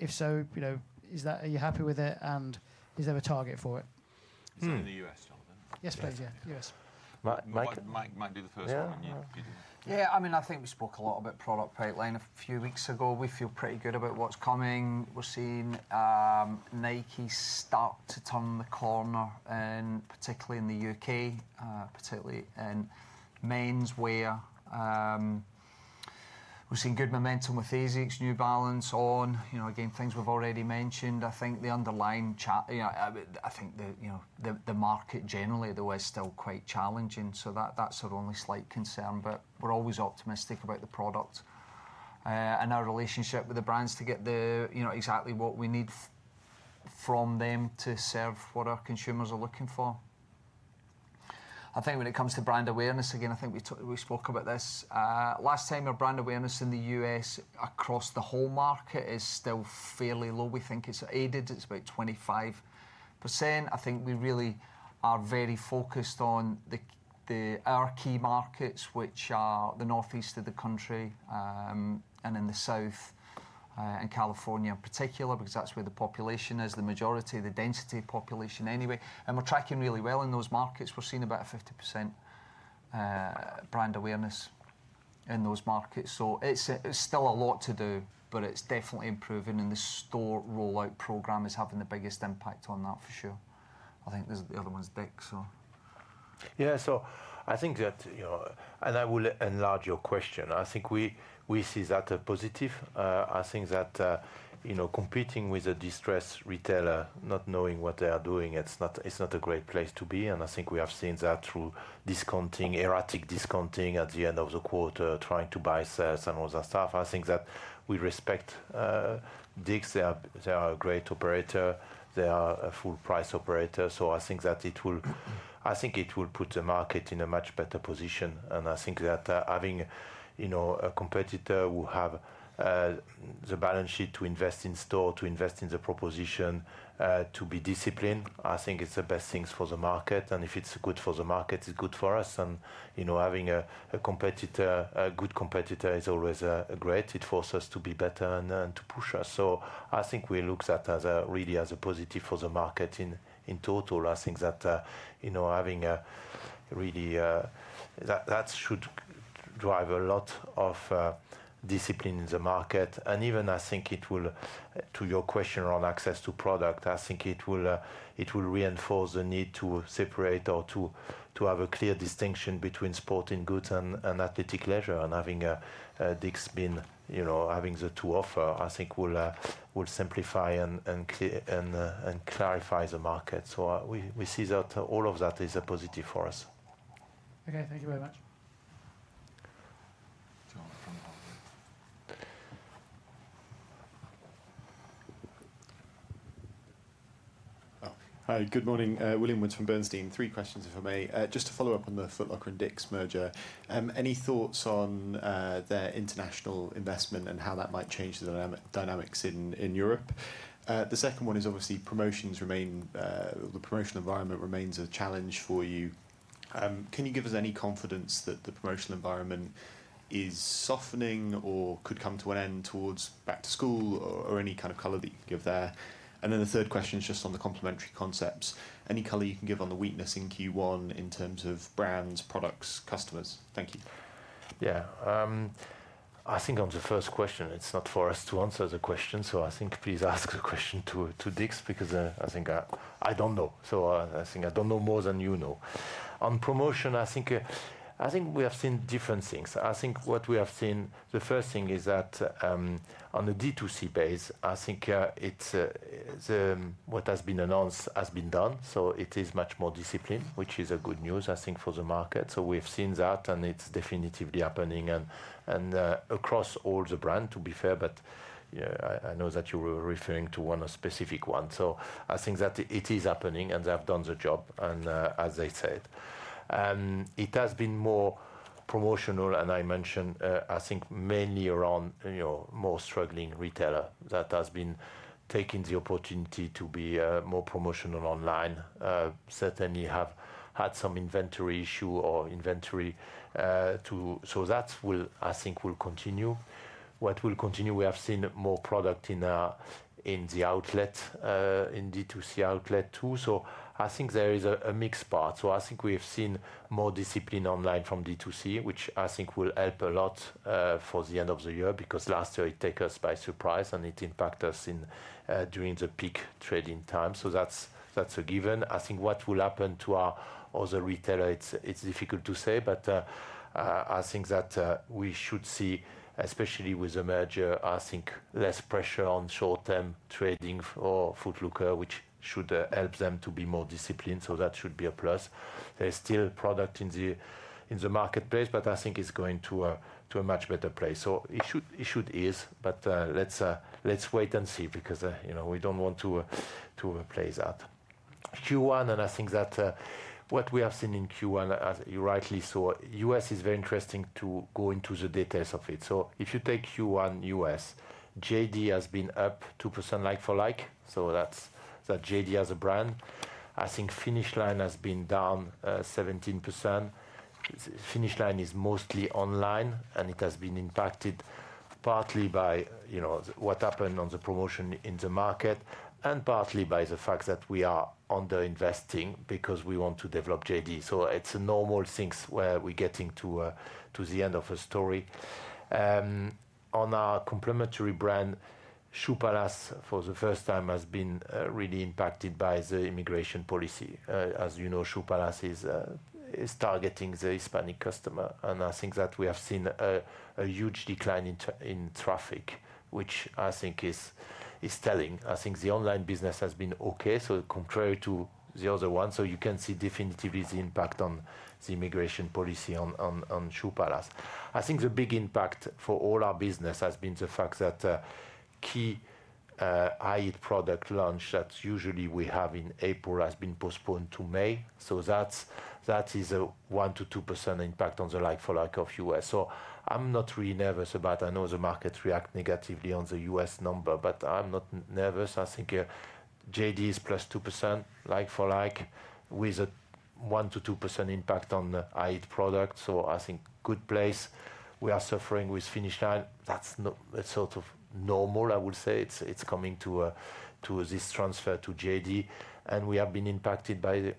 If so, are you happy with it, and is there a target for it? Is that in the U.S., Jonathan? Yes, please. Yeah, U.S. Mike might do the first one and you do. Yeah, I mean, I think we spoke a lot about product pipeline a few weeks ago. We feel pretty good about what's coming. We're seeing Nike start to turn the corner, and particularly in the U.K., particularly in men's wear. We've seen good momentum with ASICS, New Balance, On, again, things we've already mentioned. I think the underlying chat, I think the market generally though is still quite challenging. That's our only slight concern, but we're always optimistic about the product and our relationship with the brands to get exactly what we need from them to serve what our consumers are looking for. I think when it comes to brand awareness, again, I think we spoke about this. Last time, our brand awareness in the U.S. across the whole market is still fairly low. We think it's aided; it's about 25%. I think we really are very focused on our key markets, which are the Northeast of the country and in the South and California in particular, because that's where the population is, the majority, the density of population anyway. We're tracking really well in those markets. We're seeing about a 50% brand awareness in those markets. It's still a lot to do, but it's definitely improving, and the store rollout program is having the biggest impact on that for sure. I think the other one's Dick's, so... Yeah, I think that, and I will enlarge your question. I think we see that positive. I think that competing with a distressed retailer, not knowing what they are doing, it's not a great place to be. I think we have seen that through discounting, erratic discounting at the end of the quarter, trying to buy sales and all that stuff. I think that we respect Dick's. They are a great operator. They are a full-price operator. I think it will put the market in a much better position. I think that having a competitor who have the balance sheet to invest in store, to invest in the proposition, to be disciplined, I think it's the best things for the market. If it's good for the market, it's good for us. Having a competitor, a good competitor is always great. It forces us to be better and to push us. I think we look at that as a really positive for the market in total. I think that having a really, that should drive a lot of discipline in the market. I think it will, to your question on access to product, I think it will reinforce the need to separate or to have a clear distinction between sporting goods and athletic leisure. Having Dick's, having the two offer, I think will simplify and clarify the market. We see that all of that is a positive for us. Okay, thank you very much. Hi, good morning. William Woods from Bernstein. Three questions, if I may. Just to follow up on the Foot Locker and Dick's merger. Any thoughts on their international investment and how that might change the dynamics in Europe? The second one is obviously promotions remain, the promotional environment remains a challenge for you. Can you give us any confidence that the promotional environment is softening or could come to an end towards back to school or any kind of color that you can give there? The third question is just on the complementary concepts. Any color you can give on the weakness in Q1 in terms of brands, products, customers? Thank you. Yeah, I think on the first question, it is not for us to answer the question. Please ask the question to Dick's because I do not know. I do not know more than you know. On promotion, we have seen different things. What we have seen, the first thing is that on the D2C base, what has been announced has been done. It is much more disciplined, which is good news, I think, for the market. We have seen that, and it is definitely happening across all the brands, to be fair. I know that you were referring to one specific one. I think that it is happening, and they have done the job, as they said. It has been more promotional, and I mentioned, I think mainly around more struggling retailers that have been taking the opportunity to be more promotional online. Certainly have had some inventory issue or inventory too. That will, I think, continue. What will continue? We have seen more product in the outlet, in D2C outlet too. I think there is a mixed part. I think we have seen more discipline online from D2C, which I think will help a lot for the end of the year because last year it took us by surprise, and it impacted us during the peak trading time. That is a given. I think what will happen to our other retailers, it's difficult to say, but I think that we should see, especially with the merger, less pressure on short-term trading for Foot Locker, which should help them to be more disciplined. That should be a plus. There is still product in the marketplace, but I think it's going to a much better place. It should ease, but let's wait and see because we do not want to play that. Q1, and I think that what we have seen in Q1, as you rightly saw, US is very interesting to go into the details of it. If you take Q1 US, JD has been up 2% like-for-like. That is JD as a brand. I think Finish Line has been down 17%. Finish Line is mostly online, and it has been impacted partly by what happened on the promotion in the market and partly by the fact that we are underinvesting because we want to develop JD. It is a normal thing where we are getting to the end of a story. On our complementary brand, Shoe Palace, for the first time, has been really impacted by the immigration policy. As you know, Shoe Palace is targeting the Hispanic customer. I think that we have seen a huge decline in traffic, which I think is telling. I think the online business has been okay, so contrary to the other one. You can see definitively the impact on the immigration policy on Choupalas. I think the big impact for all our business has been the fact that key high-end product launch that usually we have in April has been postponed to May. That is a 1%-2% impact on the like-for-like of U.S. I am not really nervous about, I know the market reacts negatively on the U.S. number, but I am not nervous. I think JD is plus 2% like-for-like with a 1%-2% impact on high-end product. I think good place. We are suffering with Finish Line. That is sort of normal, I will say. It is coming to this transfer to JD. We have been impacted by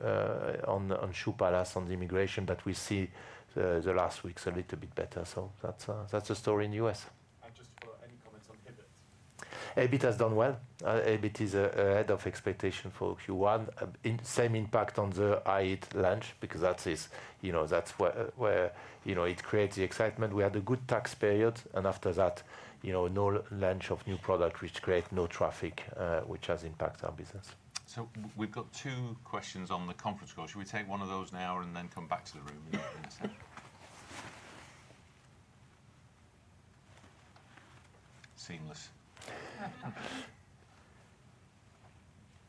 On, Choupalas, on the immigration that we see the last weeks a little bit better. That is the story in the U.S. Just for any comments on Hibbett? Hibbett has done well. Hibbett is ahead of expectation for Q1. Same impact on the high-end launch because that is where it creates the excitement. We had a good tax period, and after that, no launch of new product, which creates no traffic, which has impacted our business. We have got two questions on the conference call. Should we take one of those now and then come back to the room? Seamless.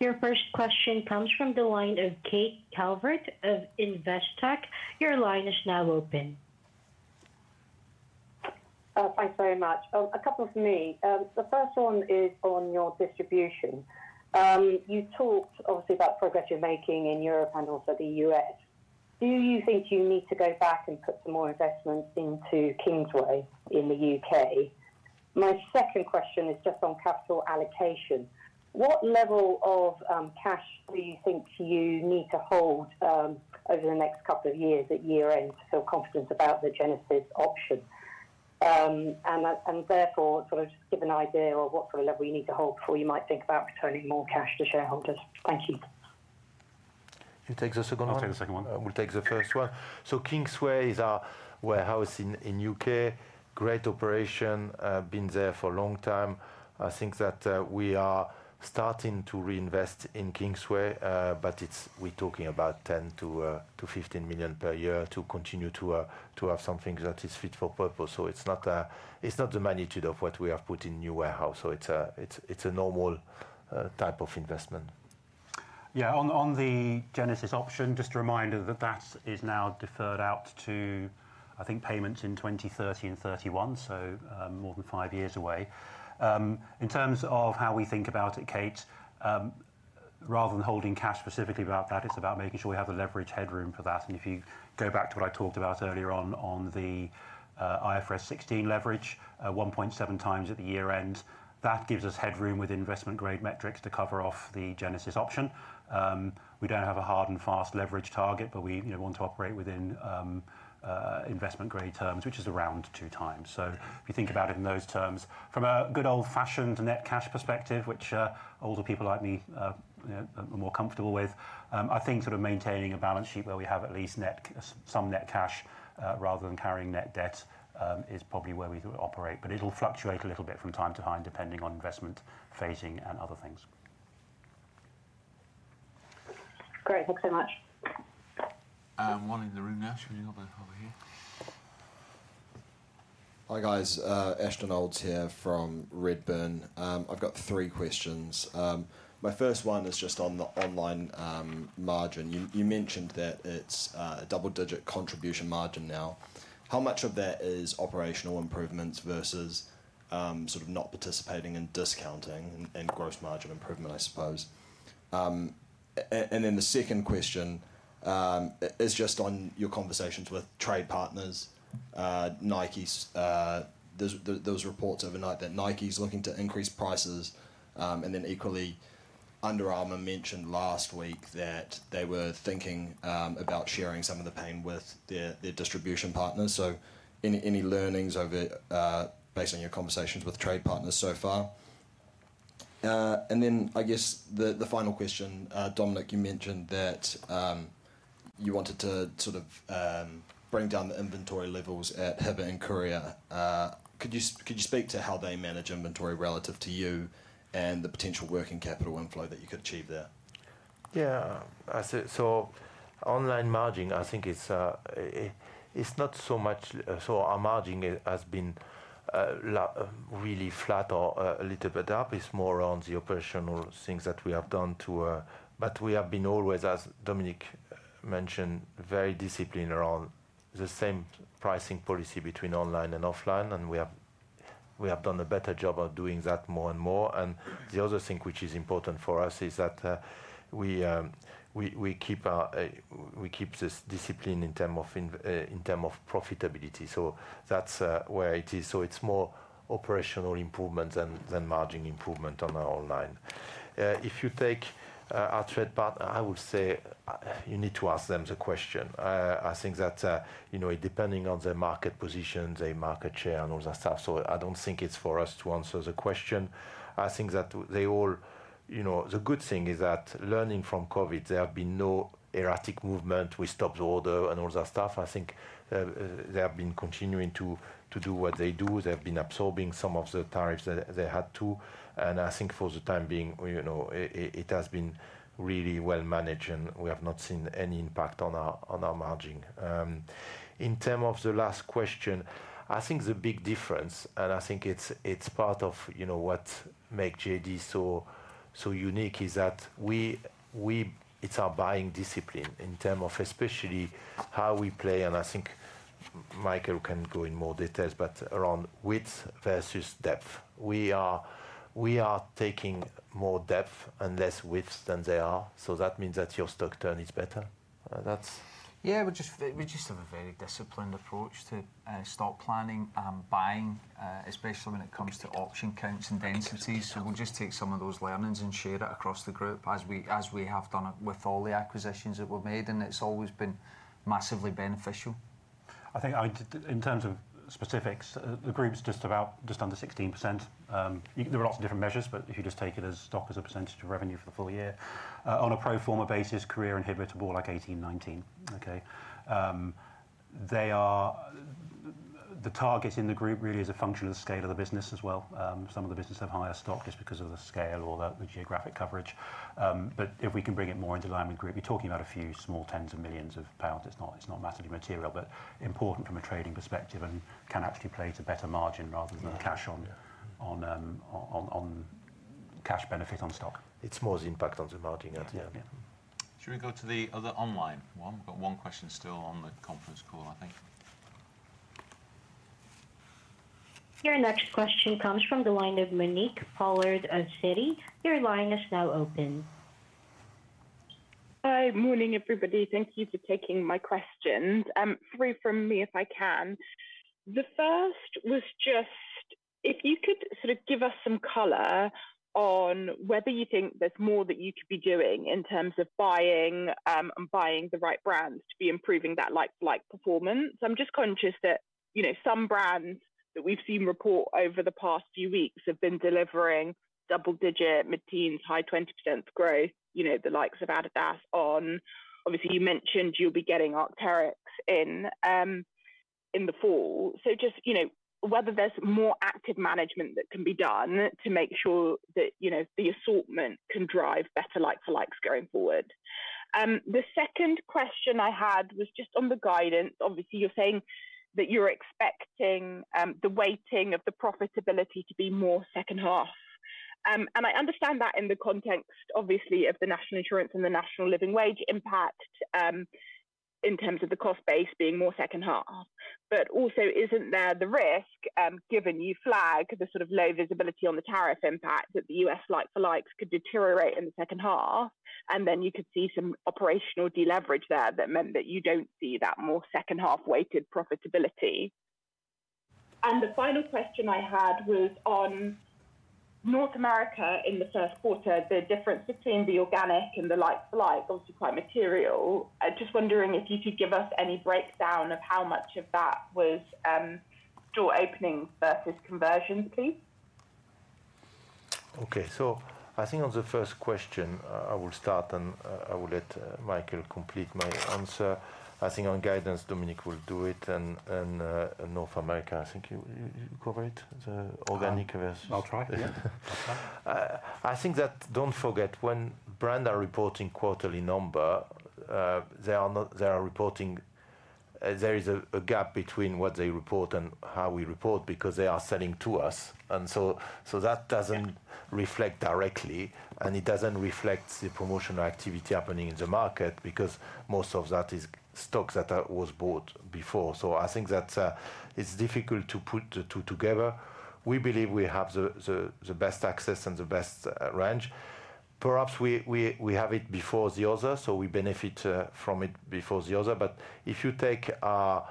Your first question comes from the line of Kate Calvert of Investec. Your line is now open. Thanks very much. A couple for me. The first one is on your distribution. You talked obviously about progress you're making in Europe and also the U.S. Do you think you need to go back and put some more investment into Kingsway in the U.K.? My second question is just on capital allocation. What level of cash do you think you need to hold over the next couple of years at year-end to feel confident about the Genesis option? And therefore, sort of just give an idea of what sort of level you need to hold before you might think about returning more cash to shareholders. Thank you. You take the second one. I'll take the second one. We'll take the first one. Kingsway is our warehouse in the U.K. Great operation, been there for a long time. I think that we are starting to reinvest in Kingsway, but we're talking about $10 million-$15 million per year to continue to have something that is fit for purpose. It is not the magnitude of what we have put in new warehouse. It is a normal type of investment. Yeah, on the Genesis option, just a reminder that that is now deferred out to, I think, payments in 2030 and 2031, so more than five years away. In terms of how we think about it, Kate, rather than holding cash specifically about that, it is about making sure we have the leverage headroom for that. If you go back to what I talked about earlier on the IFRS 16 leverage, 1.7x at the year-end, that gives us headroom with investment-grade metrics to cover off the Genesis option. We don't have a hard and fast leverage target, but we want to operate within investment-grade terms, which is around two times. If you think about it in those terms, from a good old-fashioned net cash perspective, which older people like me are more comfortable with, I think sort of maintaining a balance sheet where we have at least some net cash rather than carrying net debt is probably where we operate. It'll fluctuate a little bit from time to time depending on investment phasing and other things. Great, thanks so much. One in the room now. Should we have another over here? Hi guys, Ashton Olds here from Redburn. I've got three questions. My first one is just on the online margin. You mentioned that it's a double-digit contribution margin now. How much of that is operational improvements versus sort of not participating in discounting and gross margin improvement, I suppose? The second question is just on your conversations with trade partners, Nike. There were reports overnight that Nike is looking to increase prices. Equally, Under Armour mentioned last week that they were thinking about sharing some of the pain with their distribution partners. Any learnings based on your conversations with trade partners so far? I guess the final question, Dominic, you mentioned that you wanted to sort of bring down the inventory levels at Hibbett and Courir. Could you speak to how they manage inventory relative to you and the potential working capital inflow that you could achieve there? Yeah, so online margin, I think it's not so much. Our margin has been really flat or a little bit up. is more around the operational things that we have done. We have been always, as Dominic mentioned, very disciplined around the same pricing policy between online and offline. We have done a better job of doing that more and more. The other thing which is important for us is that we keep this discipline in terms of profitability. That is where it is. It is more operational improvements than margin improvement on our online. If you take our trade partner, I would say you need to ask them the question. I think that depending on their market position, their market share, and all that stuff. I do not think it is for us to answer the question. I think that they all, the good thing is that learning from COVID, there have been no erratic movement with stops order and all that stuff. I think they have been continuing to do what they do. They have been absorbing some of the tariffs that they had to. I think for the time being, it has been really well managed, and we have not seen any impact on our margin. In terms of the last question, I think the big difference, and I think it is part of what makes JD so unique, is that it is our buying discipline in terms of especially how we play. I think Michael can go in more details, but around width versus depth. We are taking more depth and less width than they are. That means that your stock turn is better. We just have a very disciplined approach to stock planning and buying, especially when it comes to auction counts and densities. We'll just take some of those learnings and share it across the group as we have done with all the acquisitions that were made. It's always been massively beneficial. I think in terms of specifics, the group's just under 16%. There are lots of different measures, but if you just take it as stock as a percentage of revenue for the full year, on a pro forma basis, Courir and Hibbett, more like 18%-19%. Okay. The target in the group really is a function of the scale of the business as well. Some of the business have higher stock just because of the scale or the geographic coverage. If we can bring it more into line with the group, you're talking about a few small tens of millions of GBP. It's not massively material, but important from a trading perspective and can actually play to better margin rather than cash on cash benefit on stock. It's more the impact on the margin. Yeah. Should we go to the other online one? We've got one question still on the conference call, I think. Your next question comes from the line of Monique Pollard of Citi. Your line is now open. Hi, morning everybody. Thank you for taking my questions. Three from me if I can. The first was just if you could sort of give us some color on whether you think there's more that you could be doing in terms of buying and buying the right brands to be improving that like-for-like performance. I'm just conscious that some brands that we've seen report over the past few weeks have been delivering double-digit, mid-teens, high 20% growth, the likes of Adidas, On. Obviously, you mentioned you'll be getting Arc'teryx in the fall. Just whether there's more active management that can be done to make sure that the assortment can drive better like-for-likes going forward. The second question I had was just on the guidance. Obviously, you're saying that you're expecting the weighting of the profitability to be more second half. I understand that in the context, obviously, of the National Insurance and the National Living Wage impact in terms of the cost base being more second half. But also, is not there the risk, given you flag the sort of low visibility on the tariff impact, that the US like-for-likes could deteriorate in the second half, and then you could see some operational deleverage there that meant that you do not see that more second half weighted profitability? The final question I had was on North America in the first quarter, the difference between the organic and the like-for-like, obviously quite material. Just wondering if you could give us any breakdown of how much of that was door openings versus conversions, please. Okay, I think on the first question, I will start and I will let Michael complete my answer. I think on guidance, Dominic will do it. North America, I think you cover it, the organic versus. I will try. I think that, don't forget, when brands are reporting quarterly numbers, they are reporting there is a gap between what they report and how we report because they are selling to us. That does not reflect directly, and it does not reflect the promotional activity happening in the market because most of that is stocks that were bought before. I think that it is difficult to put the two together. We believe we have the best access and the best range. Perhaps we have it before the other, so we benefit from it before the other. If you take our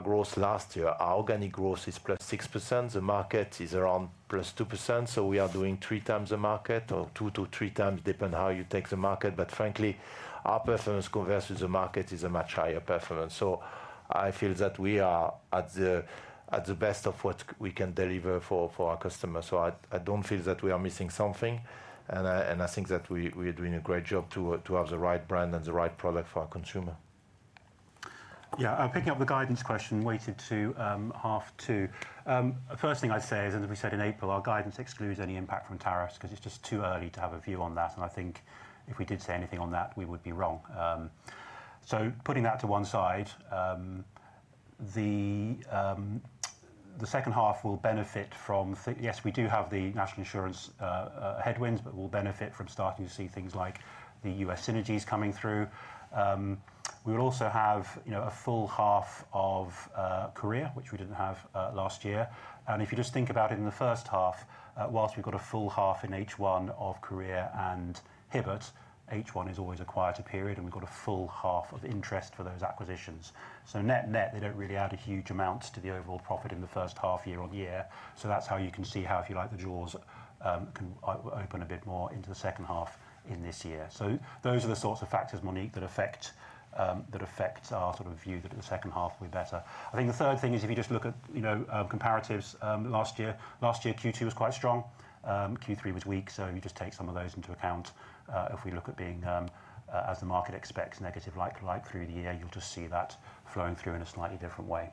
gross last year, our organic gross is +6%. The market is around +2%. We are doing three times the market or two to three times, depending on how you take the market. Frankly, our performance compared to the market is a much higher performance. I feel that we are at the best of what we can deliver for our customers. I do not feel that we are missing something. I think that we are doing a great job to have the right brand and the right product for our consumer. Yeah, picking up the guidance question weighted to half two. First thing I would say is, as we said in April, our guidance excludes any impact from tariffs because it is just too early to have a view on that. I think if we did say anything on that, we would be wrong. Putting that to one side, the second half will benefit from, yes, we do have the National Insurance headwinds, but we will benefit from starting to see things like the US synergies coming through. We will also have a full half of Courir, which we did not have last year. If you just think about it, in the first half, whilst we have a full half in H1 of Courir and Hibbett, H1 is always a quieter period, and we have a full half of interest for those acquisitions. Net net, they do not really add a huge amount to the overall profit in the first half year on year. That is how you can see how, if you like, the draws can open a bit more into the second half in this year. Those are the sorts of factors, Monique, that affect our sort of view that the second half will be better. I think the third thing is if you just look at comparatives last year, last year Q2 was quite strong. Q3 was weak. You just take some of those into account. If we look at being as the market expects negative like-for-like through the year, you'll just see that flowing through in a slightly different way.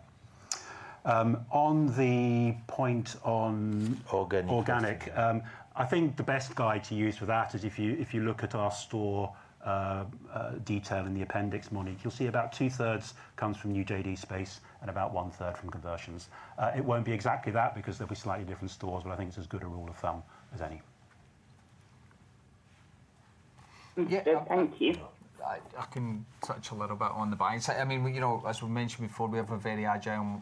On the point on organic, I think the best guide to use for that is if you look at our store detail in the appendix, Monique, you'll see about two-thirds comes from new JD space and about one-third from conversions. It won't be exactly that because there'll be slightly different stores, but I think it's as good a rule of thumb as any. Thank you. I can touch a little bit on the buying side. I mean, as we mentioned before, we have a very agile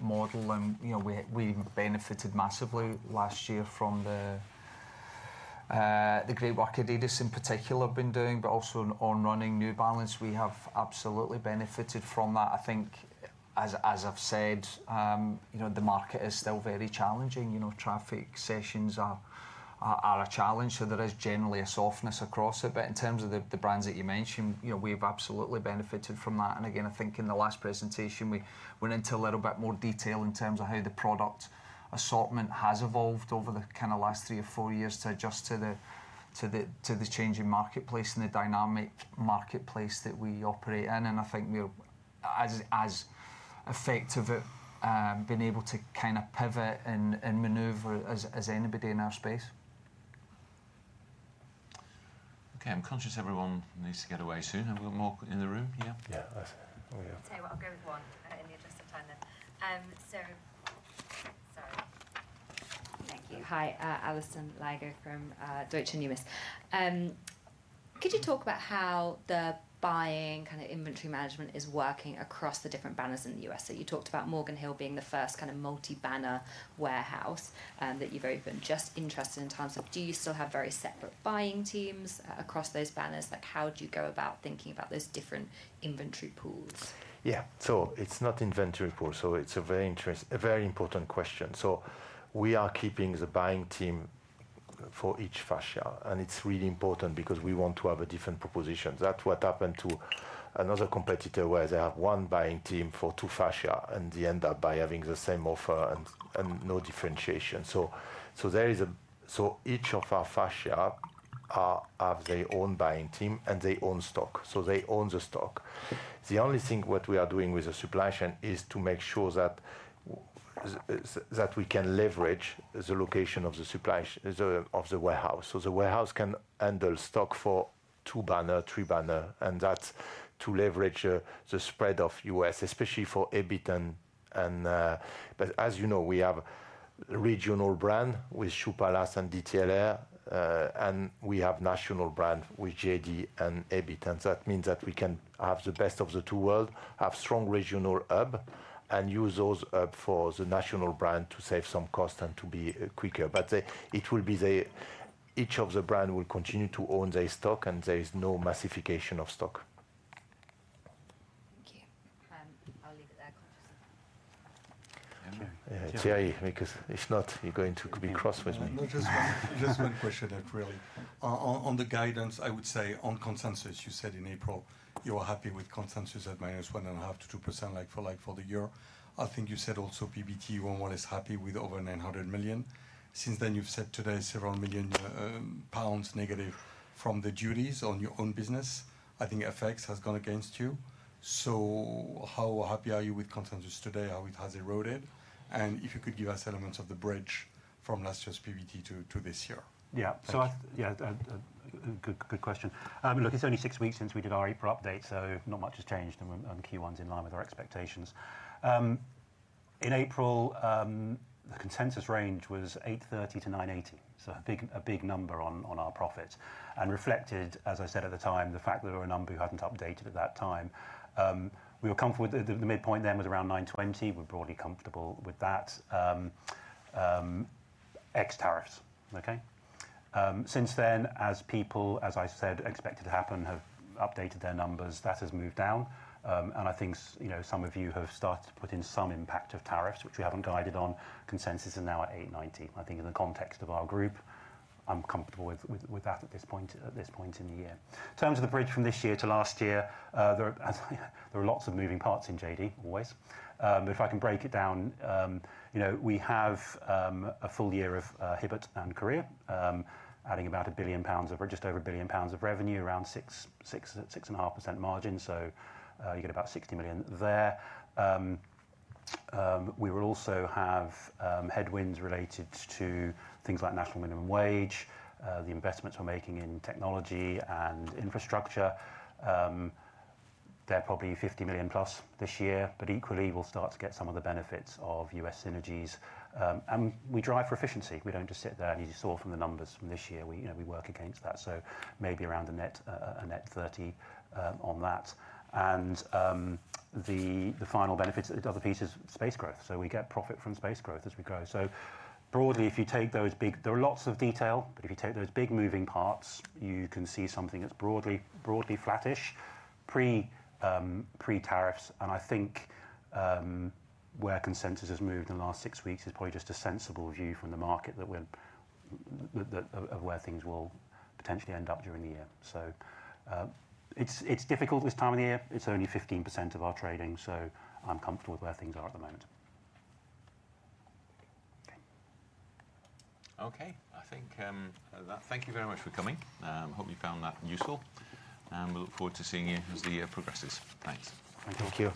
model, and we benefited massively last year from the great work Adidas in particular have been doing, but also On, New Balance. We have absolutely benefited from that. I think, as I've said, the market is still very challenging. Traffic sessions are a challenge. There is generally a softness across it. In terms of the brands that you mentioned, we've absolutely benefited from that. I think in the last presentation, we went into a little bit more detail in terms of how the product assortment has evolved over the last three or four years to adjust to the changing marketplace and the dynamic marketplace that we operate in. I think we've, as effective, been able to pivot and maneuver as anybody in our space. Okay, I'm conscious everyone needs to get away soon. Have we got more in the room? Yeah. I'll go with one in the adjusted time then. Sorry. Thank you. Hi, Alison Lager from Deutsche Numis. Could you talk about how the buying kind of inventory management is working across the different banners in the U.S.? You talked about Morgan Hill being the first kind of multi-banner warehouse that you've opened. Just interested in terms of, do you still have very separate buying teams across those banners? How do you go about thinking about those different inventory pools? Yeah, it's not inventory pools. It's a very important question. We are keeping the buying team for each fascia. It's really important because we want to have a different proposition. That's what happened to another competitor where they have one buying team for two fascia, and they end up by having the same offer and no differentiation. Each of our fascia have their own buying team and their own stock. They own the stock. The only thing what we are doing with the supply chain is to make sure that we can leverage the location of the supply of the warehouse. The warehouse can handle stock for two banner, three banner, and that's to leverage the spread of US, especially for EBIT and, but as you know, we have regional brand with Shoe Palace and DTLR, and we have national brand with JD and EBIT. That means that we can have the best of the two world, have strong regional hub, and use those hub for the national brand to save some cost and to be quicker. It will be the, each of the brand will continue to own their stock, and there is no massification of stock. Thank you. I'll leave it there. Thank you. Thank you. Thank you. If not, you're going to be cross with me. Just one question that really, on the guidance, I would say on consensus, you said in April, you were happy with consensus at -1.5% to -2% like-for-like for the year. I think you said also PBT, you were more or less happy with over 900 million. Since then, you've said today several million pounds negative from the duties on your own business. I think FX has gone against you. How happy are you with consensus today, how it has eroded? If you could give us elements of the bridge from last year's PBT to this year. Yeah. Good question. Look, it's only six weeks since we did our April update, so not much has changed on key ones in line with our expectations. In April, the consensus range was 830 million-980 million. A big number on our profits. Reflected, as I said at the time, the fact that there were a number who had not updated at that time. We were comfortable with the midpoint then was around 920 million. We are broadly comfortable with that. Ex tariffs, okay? Since then, as people, as I said, expected to happen, have updated their numbers, that has moved down. I think some of you have started to put in some impact of tariffs, which we have not guided on. Consensus is now at 890 million. I think in the context of our group, I am comfortable with that at this point in the year. In terms of the bridge from this year to last year, there are lots of moving parts in JD, always. If I can break it down, we have a full year of Hibbett and Courir, adding about 1 billion pounds of, just over 1 billion pounds of revenue, around 6.5% margin. You get about 60 million there. We will also have headwinds related to things like national minimum wage, the investments we're making in technology and infrastructure. They're probably 50 million plus this year, but equally, we'll start to get some of the benefits of US synergies. We drive for efficiency. We don't just sit there. As you saw from the numbers from this year, we work against that. Maybe around a net 30 million on that. The final benefits, the other piece is space growth. We get profit from space growth as we grow. Broadly, if you take those big, there are lots of detail, but if you take those big moving parts, you can see something that's broadly flattish, pre-tariffs. I think where consensus has moved in the last six weeks is probably just a sensible view from the market of where things will potentially end up during the year. It's difficult this time of the year. It's only 15% of our trading. I'm comfortable with where things are at the moment. Okay. Thank you very much for coming. I hope you found that useful. We look forward to seeing you as the year progresses. Thanks. Thank you.